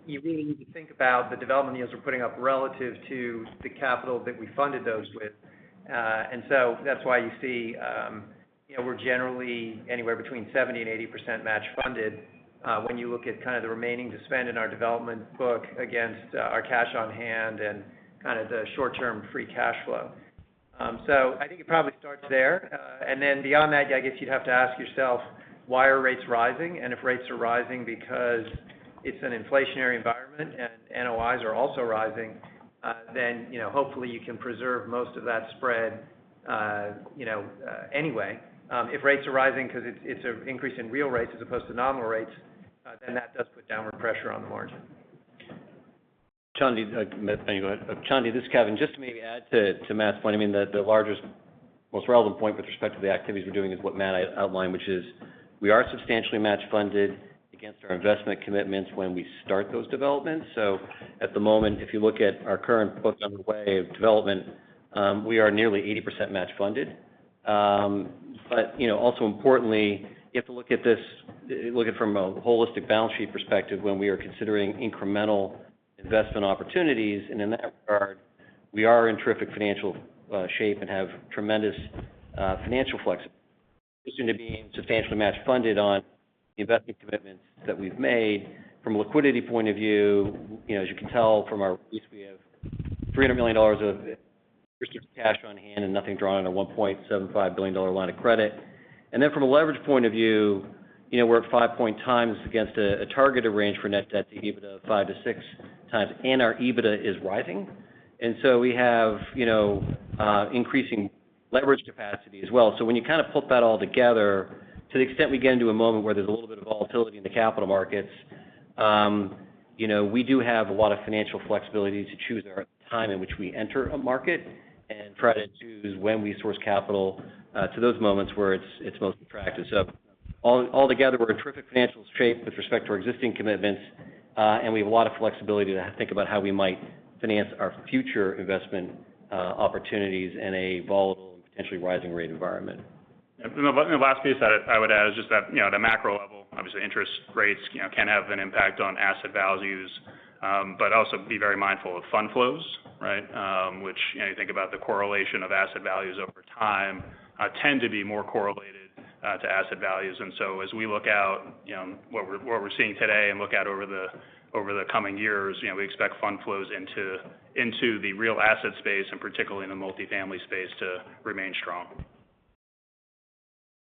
you really need to think about the development deals we're putting up relative to the capital that we funded those with. That's why you see, you know, we're generally anywhere between 70-80% match funded, when you look at kind of the remaining to spend in our development book against our cash on hand and kind of the short-term free cash flow. I think it probably starts there. I guess you'd have to ask yourself why are rates rising? If rates are rising because it's an inflationary environment and NOIs are also rising, then, you know, hopefully you can preserve most of that spread, you know, anyway. If rates are rising because it's an increase in real rates as opposed to nominal rates, then that does put downward pressure on the margin. Chandni, Matt, no you go ahead. Chandni, this is Kevin. Just to maybe add to Matt's point, I mean, the largest, most relevant point with respect to the activities we're doing is what Matt outlined, which is we are substantially match funded against our investment commitments when we start those developments. At the moment, if you look at our current book underway of development, we are nearly 80% match funded. You know, also importantly, you have to look at it from a holistic balance sheet perspective when we are considering incremental investment opportunities. In that regard, we are in terrific financial shape and have tremendous financial flexibility in addition to being substantially match funded on the investment commitments that we've made. From a liquidity point of view, you know, as you can tell from our release, we have $300 million of restricted cash on hand and nothing drawn on a $1.75 billion line of credit. Then from a leverage point of view, you know, we're at 5 times against a targeted range for net debt to EBITDA of 5-6x, and our EBITDA is rising. We have, you know, increasing leverage capacity as well. When you kind of put that all together, to the extent we get into a moment where there's a little bit of volatility in the capital markets, you know, we do have a lot of financial flexibility to choose our time in which we enter a market and try to choose when we source capital to those moments where it's most attractive. All together, we're in terrific financial shape with respect to our existing commitments, and we have a lot of flexibility to think about how we might finance our future investment opportunities in a volatile and potentially rising rate environment. The last piece that I would add is just that, you know, at a macro level, obviously interest rates, you know, can have an impact on asset values, but also be very mindful of fund flows, right? Which, you know, you think about the correlation of asset values over time tend to be more correlated to asset values. As we look out, you know, what we're seeing today and look out over the coming years, you know, we expect fund flows into the real asset space, and particularly in the multifamily space, to remain strong.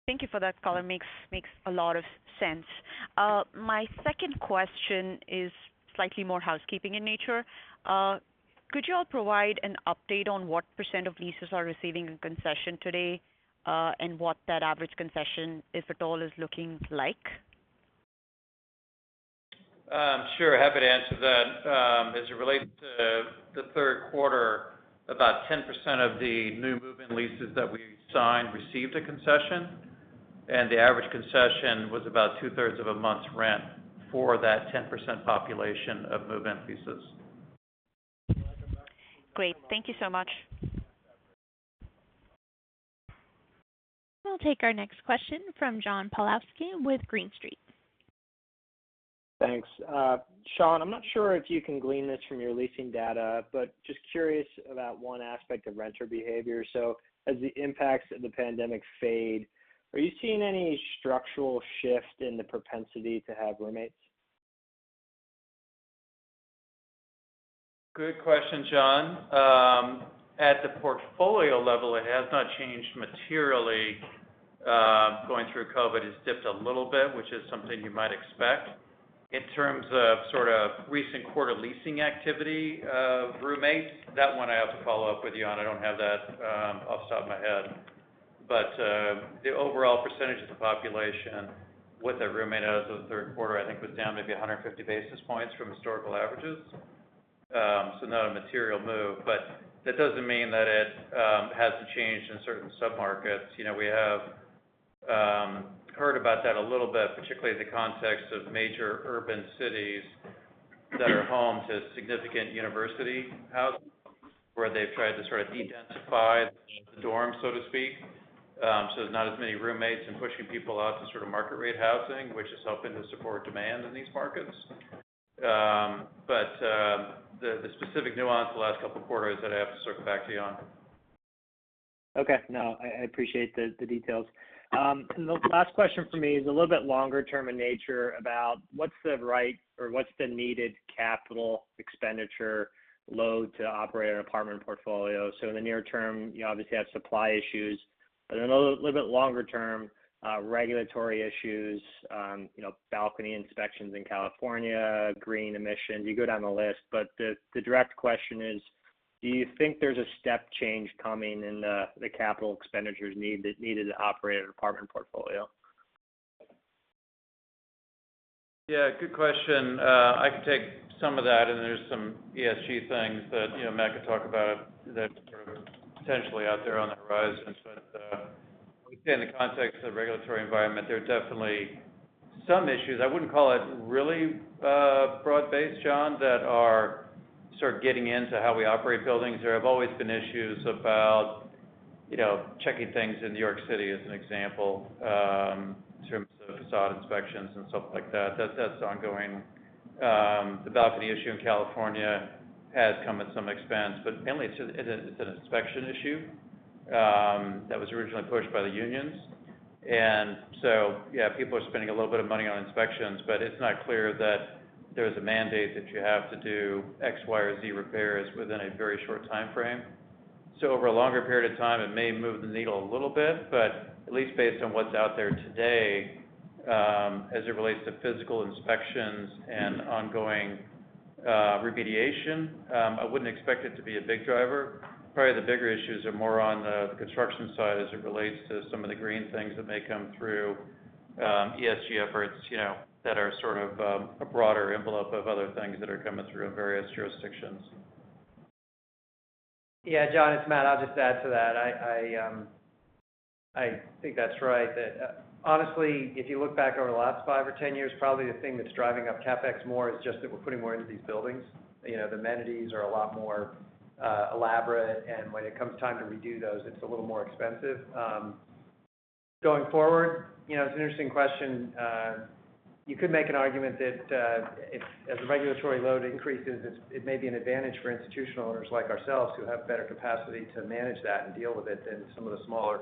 Thank you for that color. Makes a lot of sense. My second question is slightly more housekeeping in nature. Could you all provide an update on what % of leases are receiving a concession today, and what that average concession, if at all, is looking like? Sure. Happy to answer that. As it relates to the Q3, about 10% of the new move-in leases that we signed received a concession, and the average concession was about two-thirds of a month's rent for that 10% population of move-in leases. Great. Thank you so much. We'll take our next question from John Pawlowski with Green Street. Thanks. Sean, I'm not sure if you can glean this from your leasing data, but just curious about one aspect of renter behavior. As the impacts of the pandemic fade, are you seeing any structural shift in the propensity to have roommates? Good question, John. At the portfolio level, it has not changed materially. Going through COVID, it's dipped a little bit, which is something you might expect. In terms of sort of recent quarter leasing activity, roommates, that one I have to follow up with you on. I don't have that off the top of my head. The overall percentage of the population with a roommate as of the Q3, I think, was down maybe 150 basis points from historical averages. So not a material move, but that doesn't mean that it hasn't changed in certain sub-markets. You know, we have heard about that a little bit, particularly in the context of major urban cities that are home to significant university housing, where they've tried to sort of dedensify the dorms, so to speak. There's not as many roommates and pushing people out to sort of market rate housing, which is helping to support demand in these markets. The specific nuance the last couple of quarters that I have to circle back to you on. Okay. No, I appreciate the details. The last question for me is a little bit longer term in nature about what's the right or what's the needed capital expenditure load to operate an apartment portfolio. In the near term, you obviously have supply issues, but in a little bit longer term, regulatory issues, you know, balcony inspections in California, green emissions, you go down the list. The direct question is, do you think there's a step change coming in the capital expenditures that's needed to operate an apartment portfolio? Yeah, good question. I can take some of that, and there's some ESG things that, you know, Matt could talk about that are sort of potentially out there on the horizon. I would say in the context of regulatory environment, there are definitely some issues, I wouldn't call it really broad-based, John, that are sort of getting into how we operate buildings. There have always been issues about, you know, checking things in New York City as an example, in terms of facade inspections and stuff like that. That's ongoing. The balcony issue in California has come at some expense, but mainly it's just, it's an inspection issue that was originally pushed by the unions. Yeah, people are spending a little bit of money on inspections, but it's not clear that there's a mandate that you have to do X, Y, or Z repairs within a very short time frame. Over a longer period of time, it may move the needle a little bit, but at least based on what's out there today, as it relates to physical inspections and ongoing remediation, I wouldn't expect it to be a big driver. Probably the bigger issues are more on the construction side as it relates to some of the green things that may come through, ESG efforts, you know, that are sort of a broader envelope of other things that are coming through in various jurisdictions. Yeah, John, it's Matt. I'll just add to that. I think that's right. That honestly, if you look back over the last 5 or 10 years, probably the thing that's driving up CapEx more is just that we're putting more into these buildings. You know, the amenities are a lot more elaborate, and when it comes time to redo those, it's a little more expensive. Going forward, you know, it's an interesting question. You could make an argument that if, as the regulatory load increases, it may be an advantage for institutional owners like ourselves who have better capacity to manage that and deal with it than some of the smaller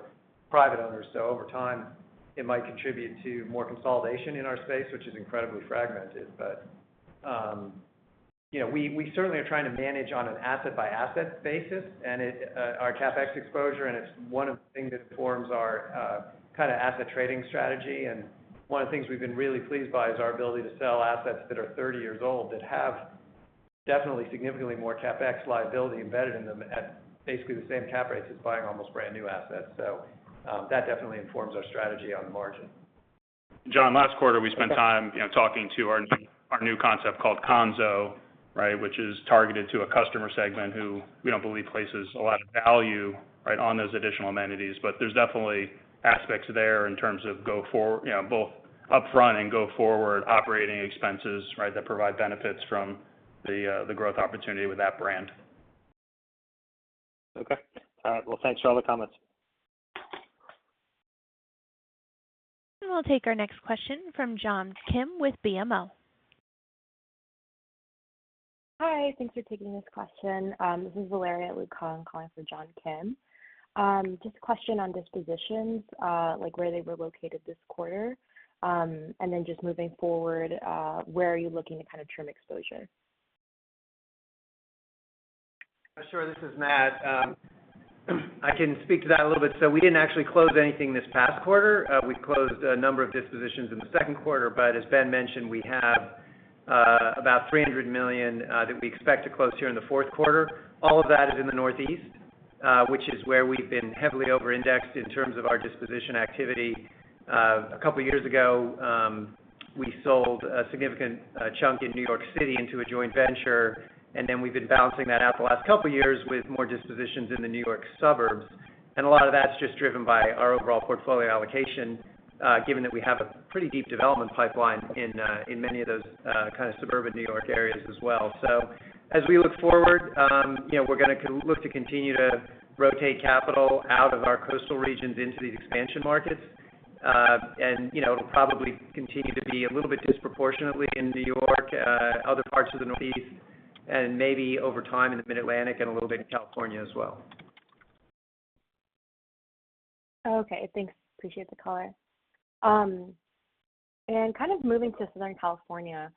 private owners. So over time, it might contribute to more consolidation in our space, which is incredibly fragmented. You know, we certainly are trying to manage on an asset-by-asset basis, and it's our CapEx exposure, and it's one of the things that informs our kind of asset trading strategy. One of the things we've been really pleased by is our ability to sell assets that are 30 years old that have definitely significantly more CapEx liability embedded in them at basically the same cap rates as buying almost brand-new assets. That definitely informs our strategy on the margin. John, last quarter we spent time, you know, talking to our new concept called Kanso, right? Which is targeted to a customer segment who we don't believe places a lot of value, right, on those additional amenities. But there's definitely aspects there in terms of go forward, you know, both upfront and go forward operating expenses, right, that provide benefits from the growth opportunity with that brand. Okay. All right. Well, thanks for all the comments. We'll take our next question from John Kim with BMO. Hi. Thanks for taking this question. This is Valeria with BMO calling for John Kim. Just a question on dispositions, like where they were located this quarter. Just moving forward, where are you looking to kind of trim exposure? Sure. This is Matt. I can speak to that a little bit. We didn't actually close anything this past quarter. We closed a number of dispositions in the Q2. As Ben mentioned, we have about $300 million that we expect to close here in the Q4. All of that is in the Northeast, which is where we've been heavily over-indexed in terms of our disposition activity. A couple years ago, we sold a significant chunk in New York City into a joint venture, and then we've been balancing that out the last couple of years with more dispositions in the New York suburbs. A lot of that's just driven by our overall portfolio allocation, given that we have a pretty deep development pipeline in many of those kind of suburban New York areas as well. As we look forward, you know, we're gonna look to continue to rotate capital out of our coastal regions into these expansion markets. You know, it'll probably continue to be a little bit disproportionately in New York, other parts of the Northeast and maybe over time in the Mid-Atlantic and a little bit in California as well. Okay, thanks. Appreciate the color. Kind of moving to Southern California,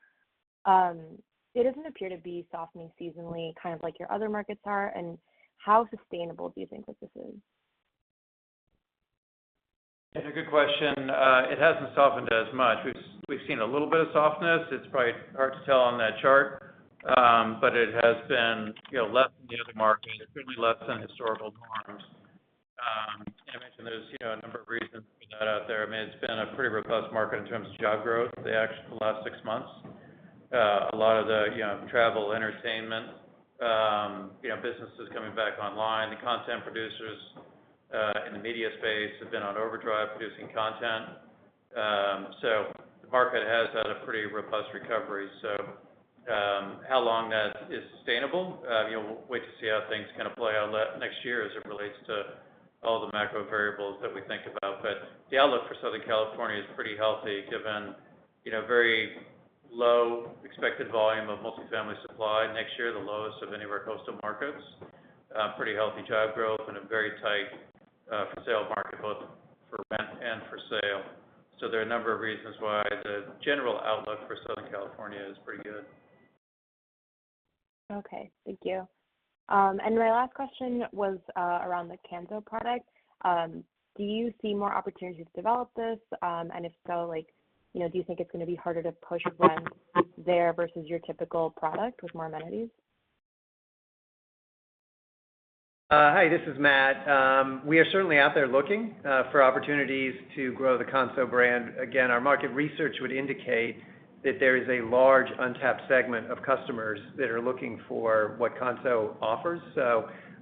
it doesn't appear to be softening seasonally, kind of like your other markets are, and how sustainable do you think that this is? It's a good question. It hasn't softened as much. We've seen a little bit of softness. It's probably hard to tell on that chart, but it has been, you know, less than the other markets, certainly less than historical norms. I mentioned there's, you know, a number of reasons for that out there. I mean, it's been a pretty robust market in terms of job growth the last six months. A lot of the, you know, travel, entertainment, you know, businesses coming back online. The content producers in the media space have been on overdrive producing content. The market has had a pretty robust recovery. How long that is sustainable, you know, we'll wait to see how things kind of play out next year as it relates to all the macro variables that we think about. The outlook for Southern California is pretty healthy given, you know, very low expected volume of multi-family supply next year, the lowest of any of our coastal markets. Pretty healthy job growth and a very tight for sale market, both for rent and for sale. There are a number of reasons why the general outlook for Southern California is pretty good. Okay. Thank you. My last question was around the Kanso product. Do you see more opportunities to develop this? If so, like, you know, do you think it's gonna be harder to push rent there versus your typical product with more amenities? Hi, this is Matt. We are certainly out there looking for opportunities to grow the Kanso brand. Again, our market research would indicate that there is a large untapped segment of customers that are looking for what Kanso offers.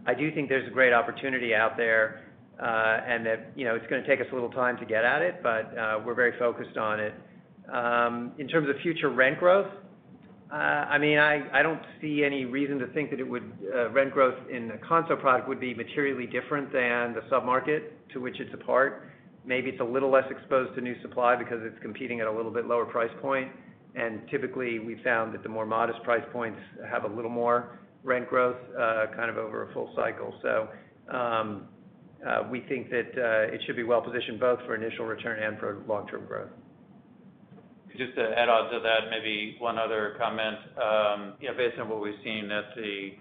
I do think there's a great opportunity out there, and that, you know, it's gonna take us a little time to get at it, but we're very focused on it. In terms of future rent growth, I mean, I don't see any reason to think that rent growth in the Kanso product would be materially different than the sub-market to which it's a part. Maybe it's a little less exposed to new supply because it's competing at a little bit lower price point. Typically, we found that the more modest price points have a little more rent growth, kind of over a full cycle. We think that it should be well-positioned both for initial return and for long-term growth. Just to add on to that, maybe one other comment. You know, based on what we've seen at the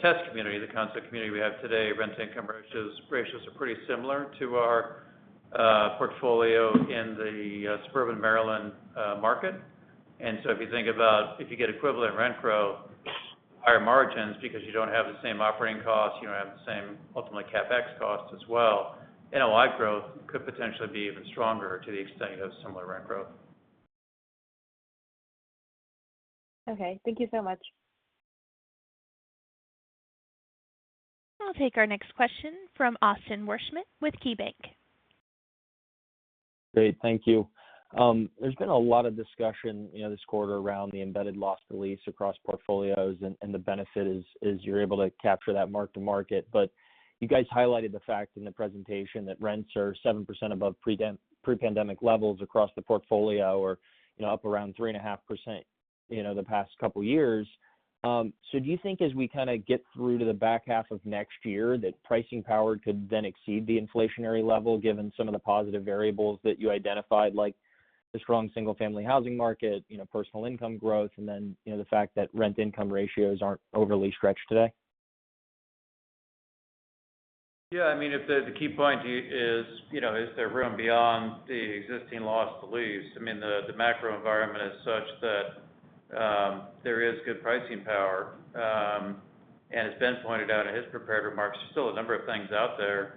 test community, the concept community we have today, rent-to-income ratios are pretty similar to our portfolio in the suburban Maryland market. If you think about if you get equivalent rent growth, higher margins because you don't have the same operating costs, you don't have the same ultimately CapEx costs as well, NOI growth could potentially be even stronger to the extent you have similar rent growth. Okay. Thank you so much. We'll take our next question from Austin Wurschmidt with KeyBanc. Great. Thank you. There's been a lot of discussion, you know, this quarter around the embedded loss to lease across portfolios, and the benefit is you're able to capture that mark-to-market. But you guys highlighted the fact in the presentation that rents are 7% above pre-pandemic levels across the portfolio or, you know, up around 3.5%, you know, the past couple years. So do you think as we kinda get through to the back half of next year, that pricing power could then exceed the inflationary level given some of the positive variables that you identified, like the strong single-family housing market, you know, personal income growth, and then, you know, the fact that rent-to-income ratios aren't overly stretched today? Yeah. I mean, if the key point is, you know, is there room beyond the existing loss to lease? I mean, the macro environment is such that there is good pricing power. As Ben pointed out in his prepared remarks, there's still a number of things out there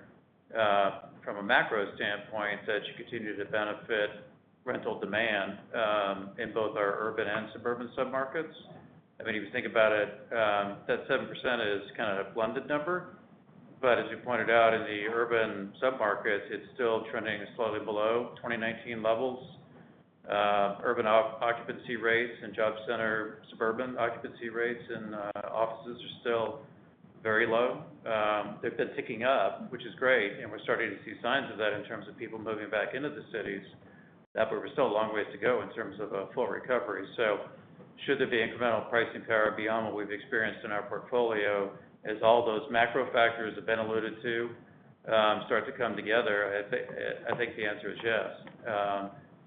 from a macro standpoint that should continue to benefit rental demand in both our urban and suburban submarkets. I mean, if you think about it, that 7% is kind of a blended number. As you pointed out in the urban submarkets, it's still trending slowly below 2019 levels. Urban occupancy rates and job center suburban occupancy rates and offices are still very low. They've been ticking up, which is great, and we're starting to see signs of that in terms of people moving back into the cities. We're still a long way to go in terms of a full recovery. Should there be incremental pricing power beyond what we've experienced in our portfolio as all those macro factors have been alluded to? Start to come together, I think the answer is yes.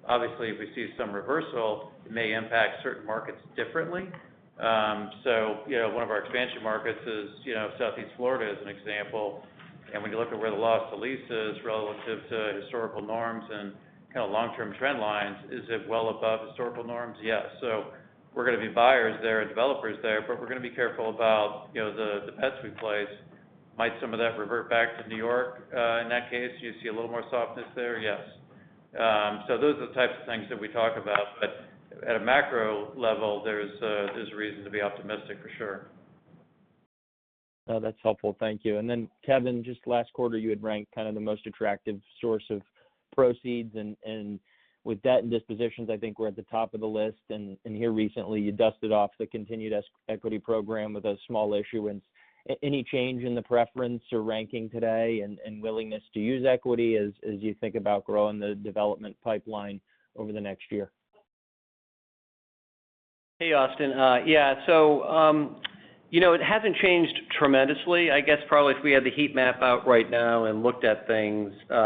Obviously, if we see some reversal, it may impact certain markets differently. You know, one of our expansion markets is, you know, Southeast Florida as an example. When you look at where the loss to lease is relative to historical norms and kind of long-term trend lines, is it well above historical norms? Yes. We're gonna be buyers there and developers there, but we're gonna be careful about, you know, the bets we place. Might some of that revert back to New York, in that case? Do you see a little more softness there? Yes. Those are the types of things that we talk about. At a macro level, there's reason to be optimistic for sure. No, that's helpful. Thank you. Kevin, just last quarter, you had ranked kind of the most attractive source of proceeds and with debt and dispositions, I think we're at the top of the list. Here recently you dusted off the continuous equity program with a small issuance. Any change in the preference or ranking today and willingness to use equity as you think about growing the development pipeline over the next year? Hey, Austin. Yeah. You know, it hasn't changed tremendously. I guess probably if we had the heat map out right now and looked at things, you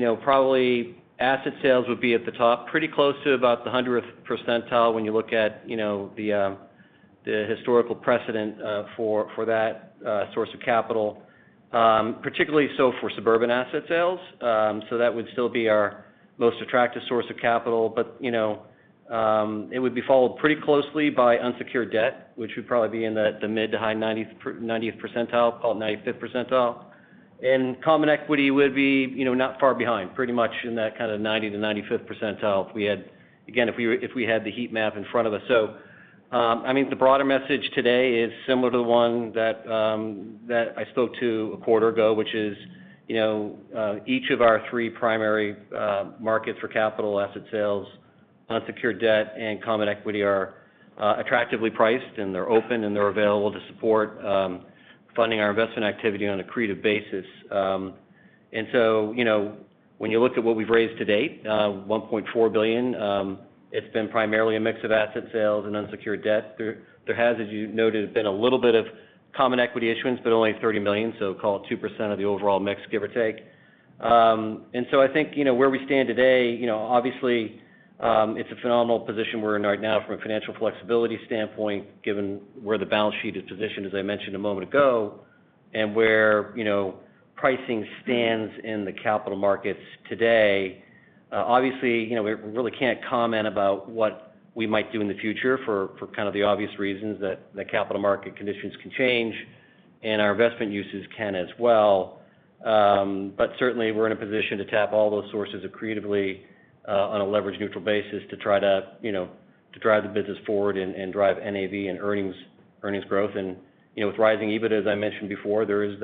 know, probably asset sales would be at the top, pretty close to about the 100th percentile when you look at, you know, the historical precedent for that source of capital. Particularly so for suburban asset sales. That would still be our most attractive source of capital. You know, it would be followed pretty closely by unsecured debt, which would probably be in the mid- to high 99th percentile, call it 95th percentile. Common equity would be, you know, not far behind, pretty much in that kind of 90-95th percentile if we had the heat map in front of us. I mean, the broader message today is similar to the one that I spoke to a quarter ago, which is, you know, each of our three primary markets for capital asset sales, unsecured debt and common equity are attractively priced, and they're open, and they're available to support funding our investment activity on accretive basis. You know, when you look at what we've raised to date, $1.4 billion, it's been primarily a mix of asset sales and unsecured debt. There has, as you noted, been a little bit of common equity issuance, but only $30 million, so call it 2% of the overall mix, give or take. I think, you know, where we stand today, you know, obviously, it's a phenomenal position we're in right now from a financial flexibility standpoint, given where the balance sheet is positioned, as I mentioned a moment ago, and where, you know, pricing stands in the capital markets today. Obviously, you know, we really can't comment about what we might do in the future for kind of the obvious reasons that the capital market conditions can change and our investment uses can as well. But certainly, we're in a position to tap all those sources accretively on a leverage-neutral basis to try to, you know, to drive the business forward and drive NAV and earnings growth. You know, with rising EBITDA, as I mentioned before, you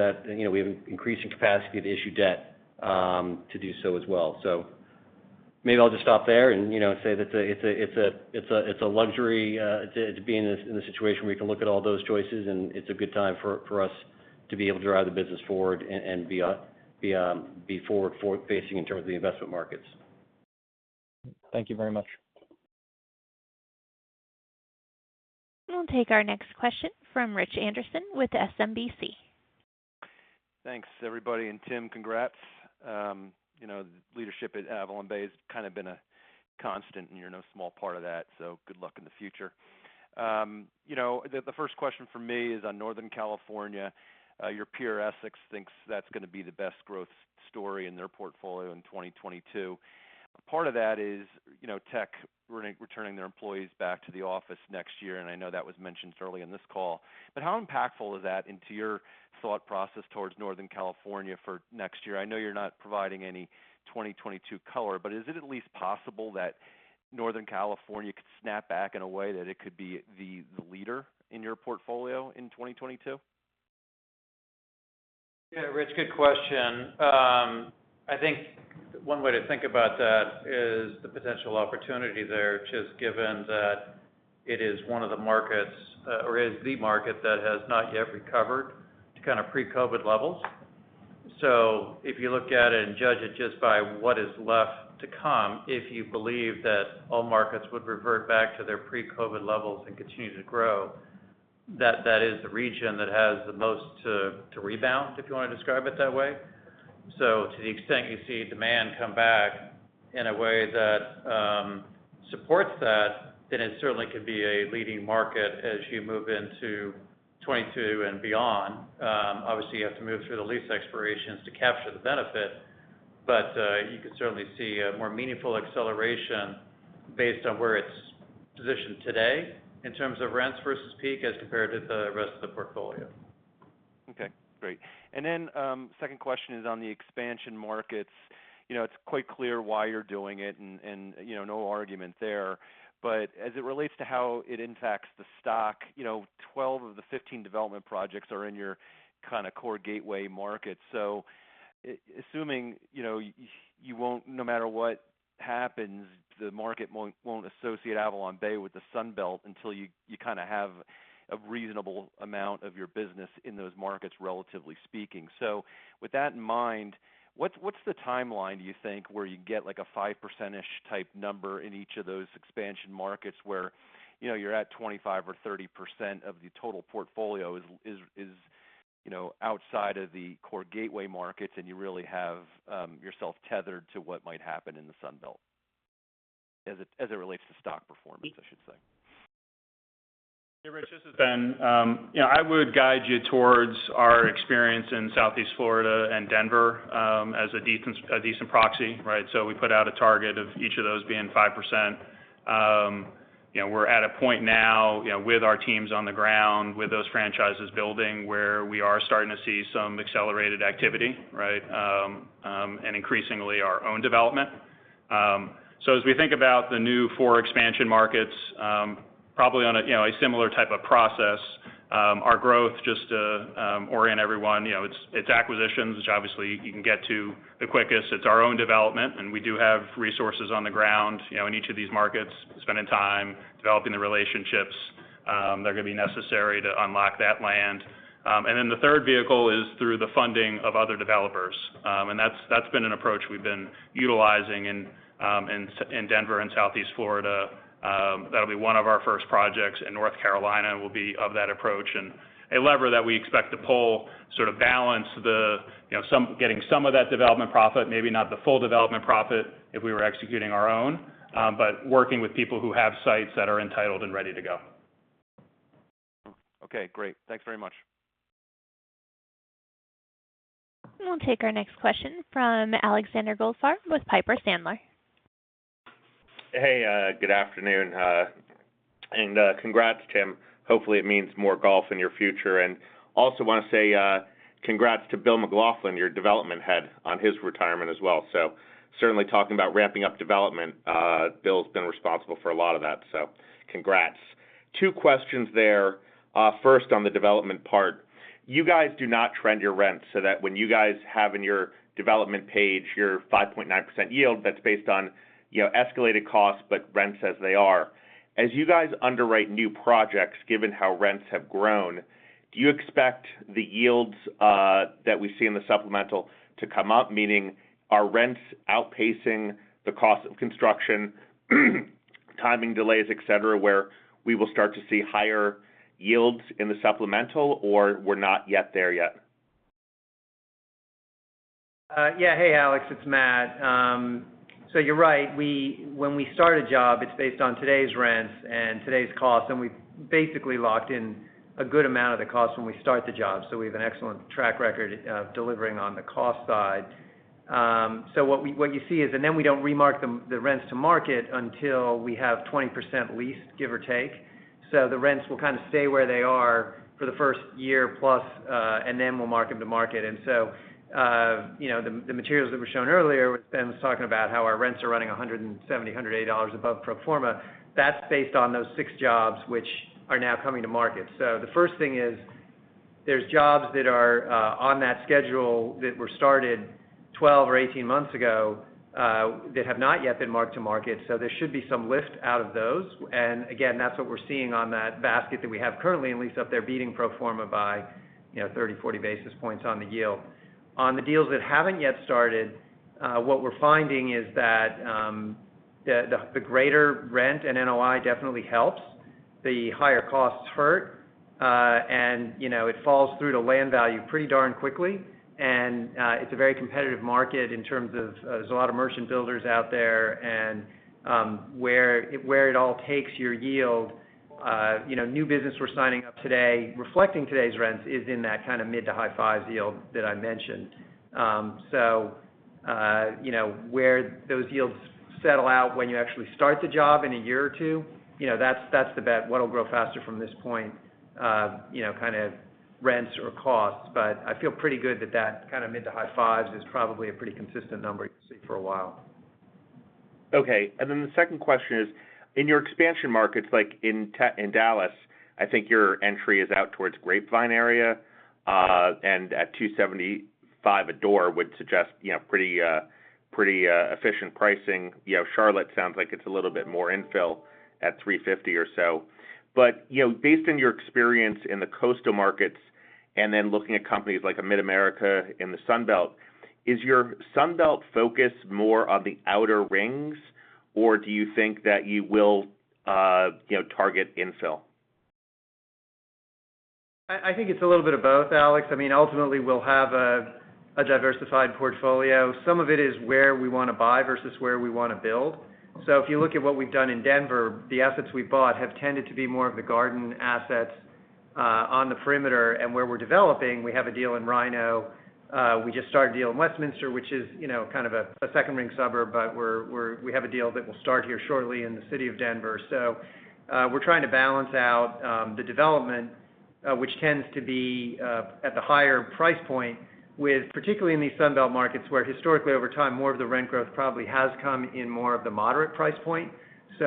know, we have an increasing capacity to issue debt to do so as well. Maybe I'll just stop there and, you know, say that it's a luxury to be in this situation where we can look at all those choices, and it's a good time for us to be able to drive the business forward and be forward-facing in terms of the investment markets. Thank you very much. We'll take our next question from Rich Anderson with SMBC. Thanks, everybody, and Tim, congrats. You know, leadership at AvalonBay has kind of been a constant, and you're no small part of that, so good luck in the future. You know, the first question from me is on Northern California. Your peer Essex thinks that's gonna be the best growth story in their portfolio in 2022. Part of that is, you know, tech returning their employees back to the office next year, and I know that was mentioned early in this call. But how impactful is that into your thought process towards Northern California for next year? I know you're not providing any 2022 color, but is it at least possible that Northern California could snap back in a way that it could be the leader in your portfolio in 2022? Yeah. Rich, good question. I think one way to think about that is the potential opportunity there, which is given that it is one of the markets, or is the market that has not yet recovered to kind of pre-COVID levels. If you look at it and judge it just by what is left to come, if you believe that all markets would revert back to their pre-COVID levels and continue to grow, that is the region that has the most to rebound, if you wanna describe it that way. To the extent you see demand come back in a way that supports that, then it certainly could be a leading market as you move into 2022 and beyond. Obviously, you have to move through the lease expirations to capture the benefit. You could certainly see a more meaningful acceleration based on where it's positioned today in terms of rents versus peak as compared to the rest of the portfolio. Okay, great. Then, second question is on the expansion markets. You know, it's quite clear why you're doing it and, you know, no argument there. But as it relates to how it impacts the stock, you know, 12 of the 15 development projects are in your kind of core gateway market. So assuming, you know, you won't no matter what happens, the market won't associate AvalonBay with the Sun Belt until you kinda have a reasonable amount of your business in those markets, relatively speaking. With that in mind, what's the timeline, do you think, where you get like a 5%-ish type number in each of those expansion markets where, you know, you're at 25 or 30% of the total portfolio is, you know, outside of the core gateway markets, and you really have yourself tethered to what might happen in the Sun Belt, as it relates to stock performance, I should say. Hey, Rich, this is Ben. You know, I would guide you towards our experience in Southeast Florida and Denver as a decent proxy, right? We put out a target of each of those being 5%. You know, we're at a point now, you know, with our teams on the ground, with those franchises building, where we are starting to see some accelerated activity, right? And increasingly our own development. So as we think about the new four expansion markets, probably on a, you know, a similar type of process, our growth just to orient everyone, you know, it's acquisitions, which obviously you can get to the quickest. It's our own development, and we do have resources on the ground, you know, in each of these markets, spending time developing the relationships that are gonna be necessary to unlock that land. Then the third vehicle is through the funding of other developers. That's been an approach we've been utilizing in Denver and Southeast Florida. That'll be one of our first projects, and North Carolina will be of that approach and a lever that we expect to pull sort of balance the, you know, getting some of that development profit, maybe not the full development profit if we were executing our own, but working with people who have sites that are entitled and ready to go. Okay, great. Thanks very much. We'll take our next question from Alexander Goldfarb with Piper Sandler. Hey, good afternoon. Congrats, Tim. Hopefully, it means more golf in your future. Also wanna say congrats to Bill McLaughlin, your development head, on his retirement as well. Certainly talking about ramping up development, Bill's been responsible for a lot of that. Congrats. Two questions there. First on the development part. You guys do not trend your rents, so that when you guys have in your development page your 5.9% yield, that's based on, you know, escalated costs, but rents as they are. As you guys underwrite new projects, given how rents have grown, do you expect the yields that we see in the supplemental to come up, meaning are rents outpacing the cost of construction, timing delays, et cetera, where we will start to see higher yields in the supplemental or we're not yet there yet? Yeah. Hey, Alex, it's Matt. You're right. When we start a job, it's based on today's rents and today's costs, and we've basically locked in a good amount of the cost when we start the job. We have an excellent track record of delivering on the cost side. What you see is, and then we don't remark them, the rents to market until we have 20% leased, give or take. The rents will kind of stay where they are for the first year plus, and then we'll mark them to market. You know, the materials that were shown earlier, Ben was talking about how our rents are running $170-180 above pro forma. That's based on those six jobs which are now coming to market. The first thing is, there's jobs that are on that schedule that were started 12 or 18 months ago that have not yet been marked to market. There should be some lift out of those. Again, that's what we're seeing on that basket that we have currently and lease up. They're beating pro forma by 30, 40 basis points on the yield. On the deals that haven't yet started, what we're finding is that the greater rent and NOI definitely helps. The higher costs hurt, it falls through to land value pretty darn quickly. It's a very competitive market in terms of, there's a lot of merchant builders out there and where it all takes your yield. You know, new business we're signing up today reflecting today's rents is in that kind of mid to high fives yield that I mentioned. You know, where those yields settle out when you actually start the job in a year or two, you know, that's the bet. What'll grow faster from this point? You know, kind of rents or costs. I feel pretty good that that kind of mid to high fives is probably a pretty consistent number you can see for a while. Okay. The second question is, in your expansion markets, like in Dallas, I think your entry is out towards Grapevine area, and at 275 a door would suggest, you know, pretty efficient pricing. You know, Charlotte sounds like it's a little bit more infill at 350 or so. You know, based on your experience in the coastal markets and then looking at companies like Mid-America in the Sun Belt, is your Sun Belt focus more on the outer rings, or do you think that you will, you know, target infill? I think it's a little bit of both, Alex. I mean, ultimately, we'll have a diversified portfolio. Some of it is where we wanna buy versus where we wanna build. So if you look at what we've done in Denver, the assets we bought have tended to be more of the garden assets on the perimeter. Where we're developing, we have a deal in RiNo. We just started a deal in Westminster, which is, you know, kind of a second ring suburb, but we have a deal that will start here shortly in the city of Denver. We're trying to balance out the development, which tends to be at the higher price point with, particularly in these Sun Belt markets, where historically over time, more of the rent growth probably has come in more of the moderate price point.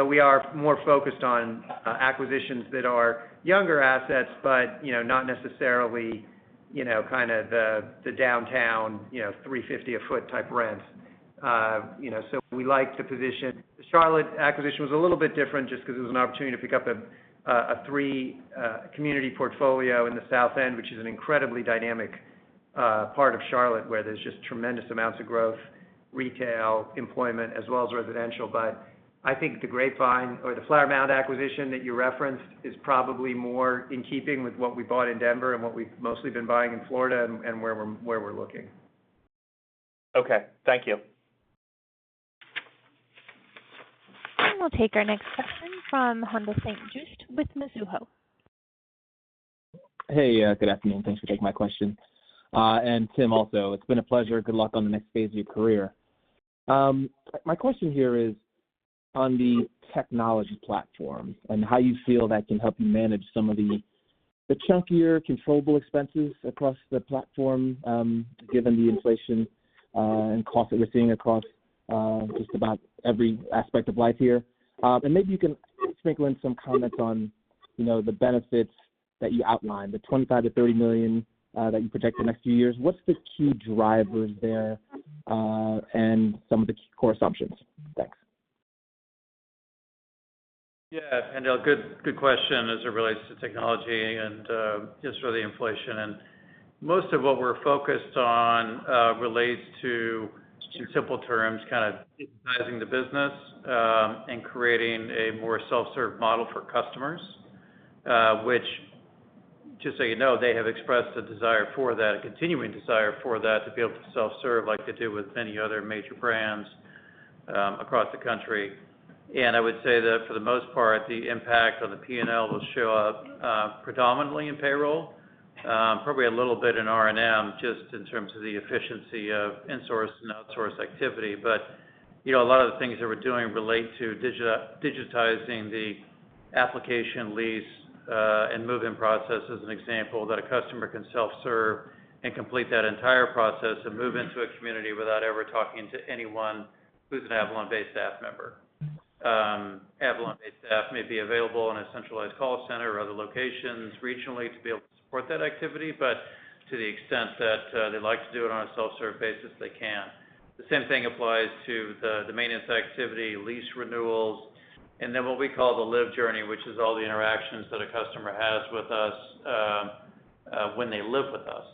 We are more focused on acquisitions that are younger assets but, you know, not necessarily, you know, kind of the downtown, you know, $350 a foot type rents. You know, we like the position. The Charlotte acquisition was a little bit different just 'cause it was an opportunity to pick up a three community portfolio in the South End, which is an incredibly dynamic part of Charlotte where there's just tremendous amounts of growth, retail, employment, as well as residential. I think the Grapevine or the Flower Mound acquisition that you referenced is probably more in keeping with what we bought in Denver and what we've mostly been buying in Florida and where we're looking. Okay. Thank you. We'll take our next question from Haendel St. Juste with Mizuho. Hey, yeah, good afternoon. Thanks for taking my question. Tim also, it's been a pleasure. Good luck on the next phase of your career. My question here is on the technology platform and how you feel that can help you manage some of the chunkier controllable expenses across the platform, given the inflation and cost that we're seeing across just about every aspect of life here. Maybe you can sprinkle in some comments on, you know, the benefits that you outlined, the $25 million-$30 million that you project the next few years. What's the key drivers there and some of the key core assumptions? Thanks. Yeah. Haendel, good question as it relates to technology and just for the inflation. Most of what we're focused on relates to, in simple terms, kind of digitizing the business and creating a more self-serve model for customers, which just so you know, they have expressed a desire for that, a continuing desire for that to be able to self-serve like they do with many other major brands across the country. I would say that for the most part, the impact on the P&L will show up predominantly in payroll, probably a little bit in R&M, just in terms of the efficiency of insourced and outsourced activity. You know, a lot of the things that we're doing relate to digitizing the application lease and move-in process as an example, that a customer can self-serve and complete that entire process and move into a community without ever talking to anyone who's an AvalonBay staff member. AvalonBay staff may be available in a centralized call center or other locations regionally to be able to support that activity, but to the extent that they like to do it on a self-serve basis, they can. The same thing applies to the maintenance activity, lease renewals, and then what we call the live journey, which is all the interactions that a customer has with us when they live with us.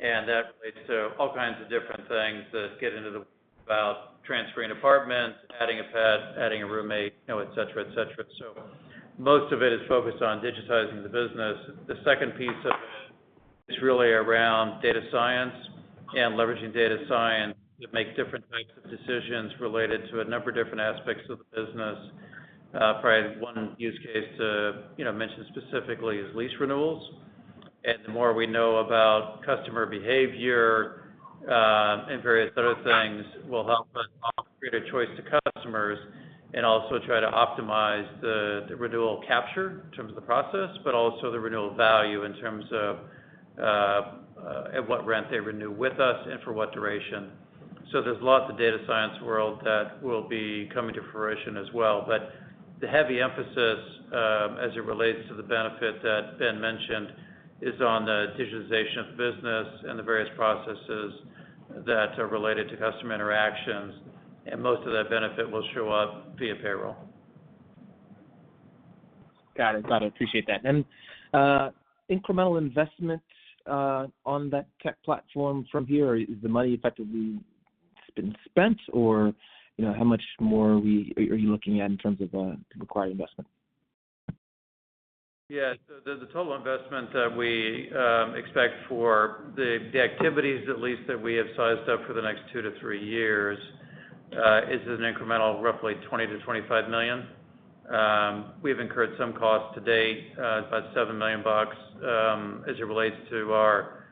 That relates to all kinds of different things that get into about transferring apartments, adding a pet, adding a roommate, you know, et cetera. Most of it is focused on digitizing the business. The second piece of it is really around data science and leveraging data science to make different types of decisions related to a number of different aspects of the business. Probably one use case to, you know, mention specifically is lease renewals. The more we know about customer behavior and various other things will help us offer greater choice to customers and also try to optimize the renewal capture in terms of the process, but also the renewal value in terms of at what rent they renew with us and for what duration. There's lots of data science work that will be coming to fruition as well. The heavy emphasis, as it relates to the benefit that Ben mentioned, is on the digitization of the business and the various processes that are related to customer interactions, and most of that benefit will show up via payroll. Got it. Appreciate that. Incremental investments on that tech platform from here, is the money effectively been spent or, you know, how much more are you looking at in terms of required investment? Yeah. The total investment that we expect for the activities at least that we have sized up for the next two to three years is an incremental of roughly $20 million-$25 million. We have incurred some costs to date, about $7 million, as it relates to our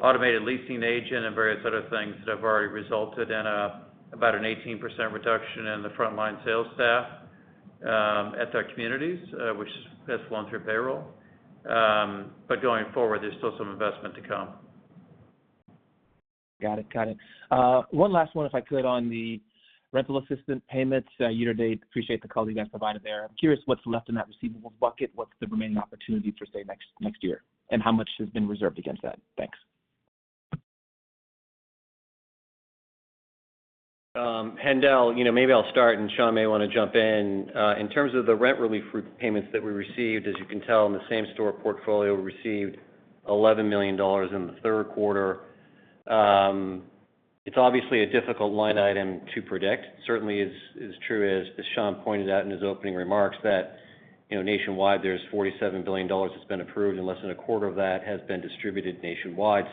automated leasing agent and various other things that have already resulted in about an 18% reduction in the frontline sales staff at our communities, which has gone through payroll. Going forward, there's still some investment to come. Got it. One last one, if I could, on the rental assistance payments year to date. Appreciate the color you guys provided there. I'm curious what's left in that receivables bucket. What's the remaining opportunity for, say, next year, and how much has been reserved against that? Thanks. Haendel, you know, maybe I'll start, and Sean may wanna jump in. In terms of the rent relief payments that we received, as you can tell in the same-store portfolio, we received $11 million in the Q3. It's obviously a difficult line item to predict. It certainly is true as Sean pointed out in his opening remarks that, you know, nationwide there's $47 billion that's been approved, and less than a quarter of that has been distributed nationwide.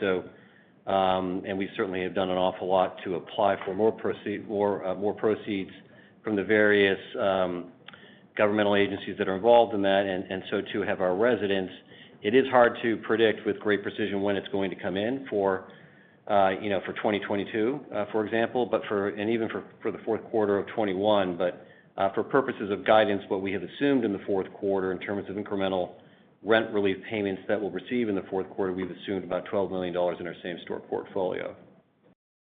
We certainly have done an awful lot to apply for more proceeds from the various governmental agencies that are involved in that, and so too have our residents. It is hard to predict with great precision when it's going to come in for, you know, 2022, for example, but even for the Q4 of 2021. For purposes of guidance, what we have assumed in the Q4 in terms of incremental rent relief payments that we'll receive in the Q4, we've assumed about $12 million in our same-store portfolio.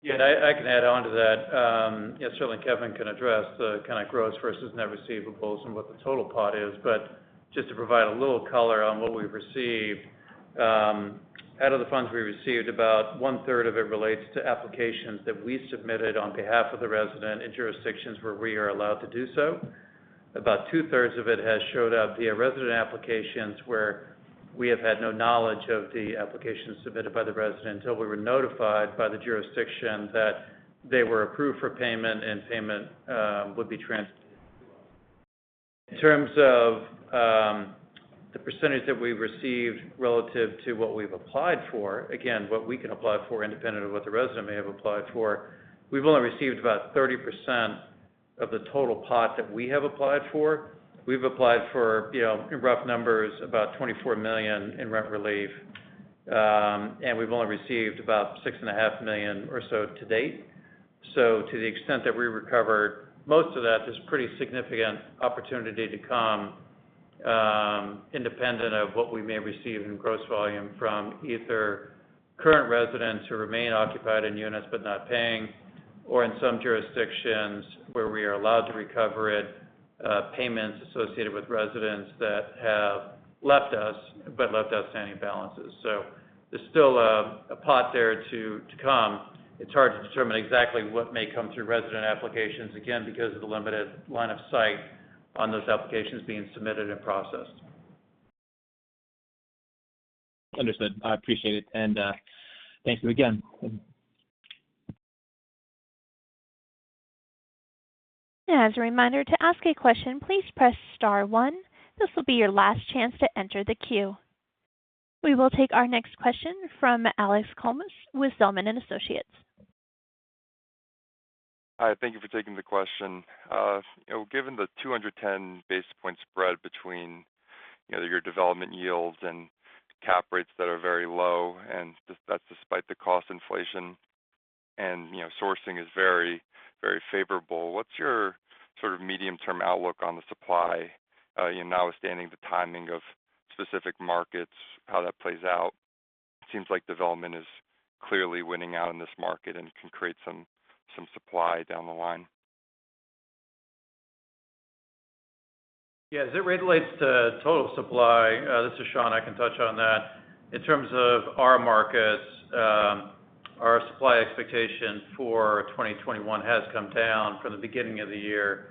I can add on to that. Certainly Kevin can address the kind of gross versus net receivables and what the total pot is, but just to provide a little color on what we've received. Out of the funds we received, about one-third of it relates to applications that we submitted on behalf of the resident in jurisdictions where we are allowed to do so. About two-thirds of it has showed up via resident applications where we have had no knowledge of the applications submitted by the resident until we were notified by the jurisdiction that they were approved for payment and payment would be transferred to us. In terms of the percentage that we received relative to what we've applied for, again, what we can apply for independent of what the resident may have applied for, we've only received about 30% of the total pot that we have applied for. We've applied for, you know, in rough numbers, about $24 million in rent relief and we've only received about $6.5 million or so to date. To the extent that we recover most of that is pretty significant opportunity to come, independent of what we may receive in gross volume from either current residents who remain occupied in units but not paying, or in some jurisdictions where we are allowed to recover it, payments associated with residents that have left us but left outstanding balances. There's still a pot there to come. It's hard to determine exactly what may come through resident applications, again, because of the limited line of sight on those applications being submitted and processed. Understood. I appreciate it. Thank you again. As a reminder, to ask a question, please press star one. This will be your last chance to enter the queue. We will take our next question from Alex Kalmus with Zelman & Associates. Hi, thank you for taking the question. You know, given the 210 basis points spread between, you know, your development yields and cap rates that are very low, and that's despite the cost inflation and, you know, sourcing is very, very favorable, what's your sort of medium-term outlook on the supply, you know, notwithstanding the timing of specific markets, how that plays out? It seems like development is clearly winning out in this market and can create some supply down the line. Yeah. As it relates to total supply, this is Sean. I can touch on that. In terms of our markets, our supply expectation for 2021 has come down from the beginning of the year,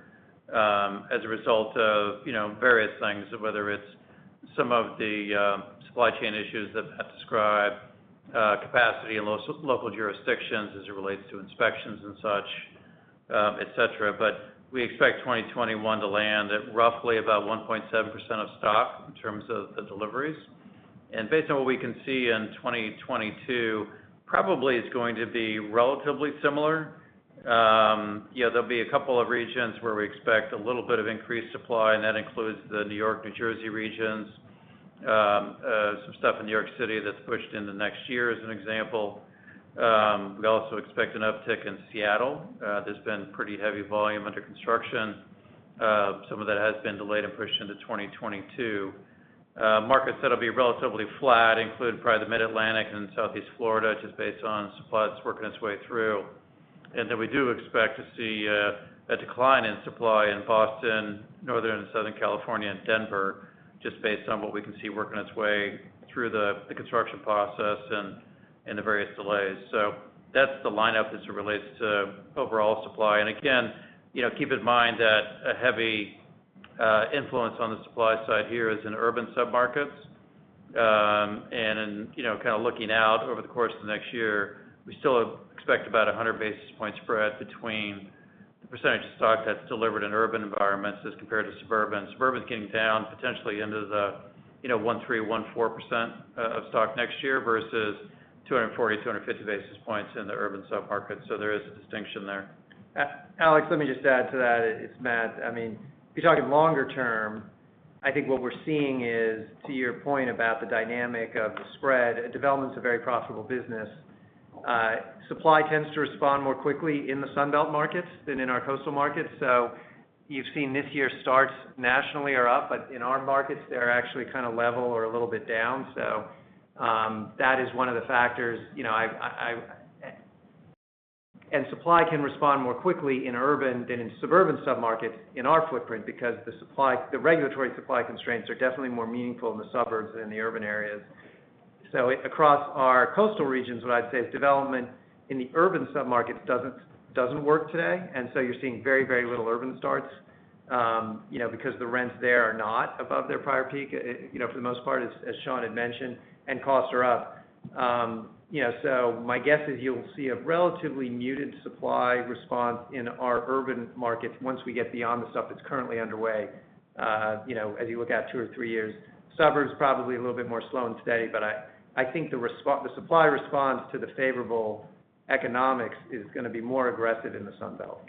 as a result of, you know, various things, whether it's some of the supply chain issues that Pat described, capacity in local jurisdictions as it relates to inspections and such, et cetera. We expect 2021 to land at roughly about 1.7% of stock in terms of the deliveries. Based on what we can see in 2022, probably it's going to be relatively similar. You know, there'll be a couple of regions where we expect a little bit of increased supply, and that includes the New York, New Jersey regions, some stuff in New York City that's pushed into next year as an example. We also expect an uptick in Seattle. There's been pretty heavy volume under construction. Some of that has been delayed and pushed into 2022. Markets that'll be relatively flat include probably the Mid-Atlantic and Southeast Florida just based on supply that's working its way through. We do expect to see a decline in supply in Boston, Northern and Southern California, and Denver just based on what we can see working its way through the construction process and the various delays. That's the lineup as it relates to overall supply. Again, you know, keep in mind that a heavy influence on the supply side here is in urban submarkets. In, you know, kind of looking out over the course of the next year, we still expect about 100 basis points spread between the percentage of stock that's delivered in urban environments as compared to suburban. Suburban is getting down potentially into the, you know, 1.3%-1.4% of stock next year versus 240-250 basis points in the urban submarkets. There is a distinction there. Alex, let me just add to that. It's Matt. I mean, if you're talking longer term, I think what we're seeing is, to your point about the dynamic of the spread, development's a very profitable business. Supply tends to respond more quickly in the Sun Belt markets than in our coastal markets. You've seen this year starts nationally are up, but in our markets they're actually kind of level or a little bit down. That is one of the factors. You know, supply can respond more quickly in urban than in suburban submarkets in our footprint because the regulatory supply constraints are definitely more meaningful in the suburbs than in the urban areas. Across our coastal regions, what I'd say is development in the urban submarkets doesn't work today. You're seeing very, very little urban starts, you know, because the rents there are not above their prior peak, you know, for the most part, as Sean had mentioned, and costs are up. You know, my guess is you'll see a relatively muted supply response in our urban markets once we get beyond the stuff that's currently underway, you know, as you look out two or three years. Suburbs probably a little bit more slow and steady, but I think the supply response to the favorable economics is gonna be more aggressive in the Sun Belt.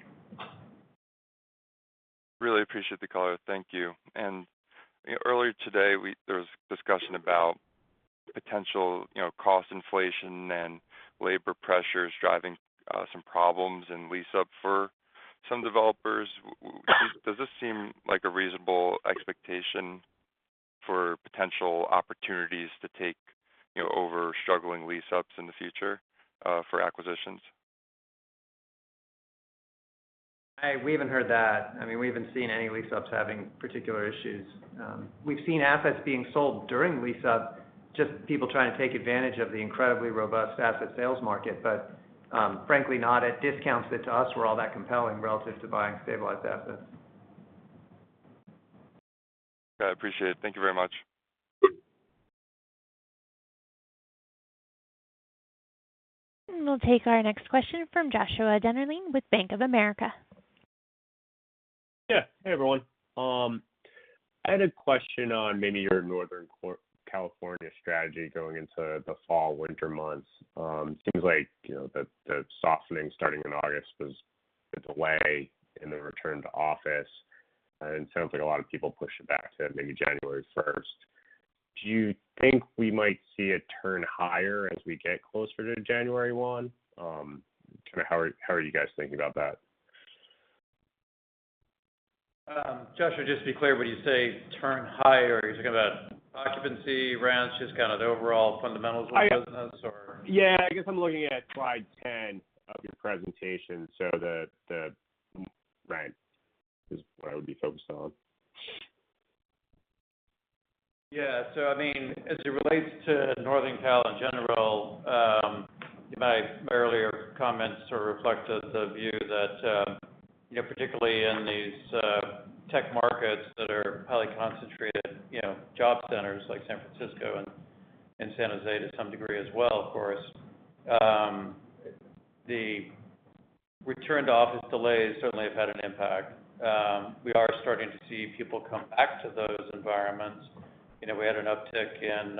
Really appreciate the color. Thank you. You know, earlier today, there was discussion about potential, you know, cost inflation and labor pressures driving some problems in lease-up for some developers. Does this seem like a reasonable expectation for potential opportunities to take, you know, over struggling lease-ups in the future, for acquisitions? We haven't heard that. I mean, we haven't seen any lease-ups having particular issues. We've seen assets being sold during lease-up, just people trying to take advantage of the incredibly robust asset sales market. Frankly, not at discounts that to us were all that compelling relative to buying stabilized assets. I appreciate it. Thank you very much. We'll take our next question from Joshua Dennerlein with Bank of America. Yeah. Hey, everyone. I had a question on maybe your Northern California strategy going into the fall, winter months. Seems like, you know, the softening starting in August was a delay in the return to office, and it sounds like a lot of people pushed it back to maybe January first. Do you think we might see it turn higher as we get closer to January one? Kind of, how are you guys thinking about that? Joshua, just to be clear, when you say turn higher, are you talking about occupancy, rents, just kind of the overall fundamentals of the business or? Yeah, I guess I'm looking at slide 10 of your presentation, so rent is what I would be focused on. Yeah. I mean, as it relates to Northern Cal in general, my earlier comments sort of reflected the view that, you know, particularly in these tech markets that are highly concentrated, you know, job centers like San Francisco and San Jose to some degree as well, of course, the return to office delays certainly have had an impact. We are starting to see people come back to those environments. You know, we had an uptick in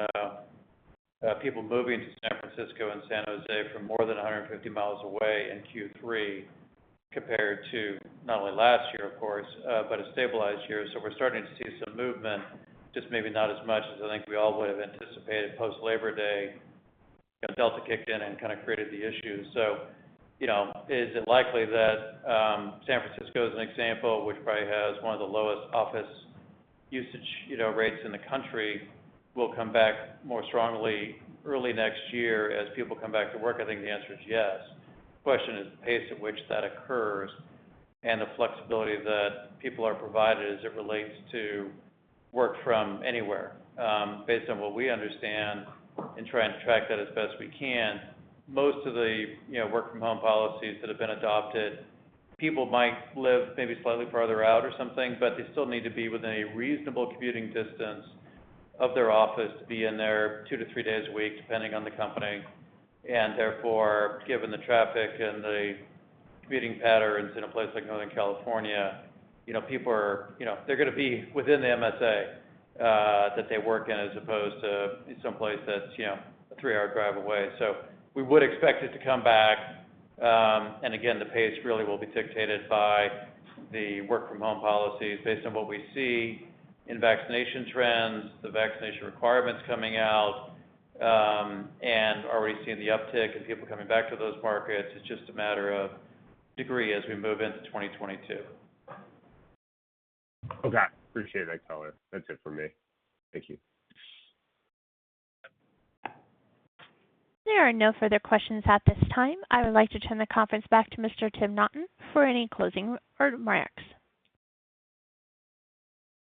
people moving to San Francisco and San Jose from more than 150 miles away in Q3 compared to not only last year, of course, but a stabilized year. We're starting to see some movement, just maybe not as much as I think we all would have anticipated post Labor Day. Delta kicked in and kinda created the issues. You know, is it likely that San Francisco, as an example, which probably has one of the lowest office usage, you know, rates in the country, will come back more strongly early next year as people come back to work? I think the answer is yes. The question is the pace at which that occurs and the flexibility that people are provided as it relates to work from anywhere. Based on what we understand and try and track that as best we can, most of the, you know, work from home policies that have been adopted, people might live maybe slightly farther out or something, but they still need to be within a reasonable commuting distance of their office to be in there 2-3 days a week, depending on the company. Therefore, given the traffic and the commuting patterns in a place like Northern California, you know, people are, you know, they're gonna be within the MSA, that they work in as opposed to someplace that's, you know, a three-hour drive away. We would expect it to come back. Again, the pace really will be dictated by the work from home policies based on what we see in vaccination trends, the vaccination requirements coming out, and are we seeing the uptick in people coming back to those markets? It's just a matter of degree as we move into 2022. Okay. Appreciate it. That's all. That's it for me. Thank you. There are no further questions at this time. I would like to turn the conference back to Mr. Tim Naughton for any closing remarks.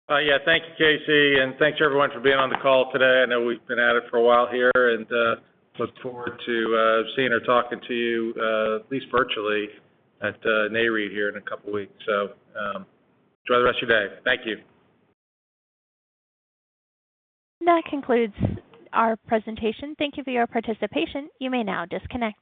Yeah. Thank you, Casey. Thanks everyone for being on the call today. I know we've been at it for a while here, and look forward to seeing or talking to you at least virtually at Nareit here in a couple weeks. Enjoy the rest of your day. Thank you. That concludes our presentation. Thank you for your participation. You may now disconnect.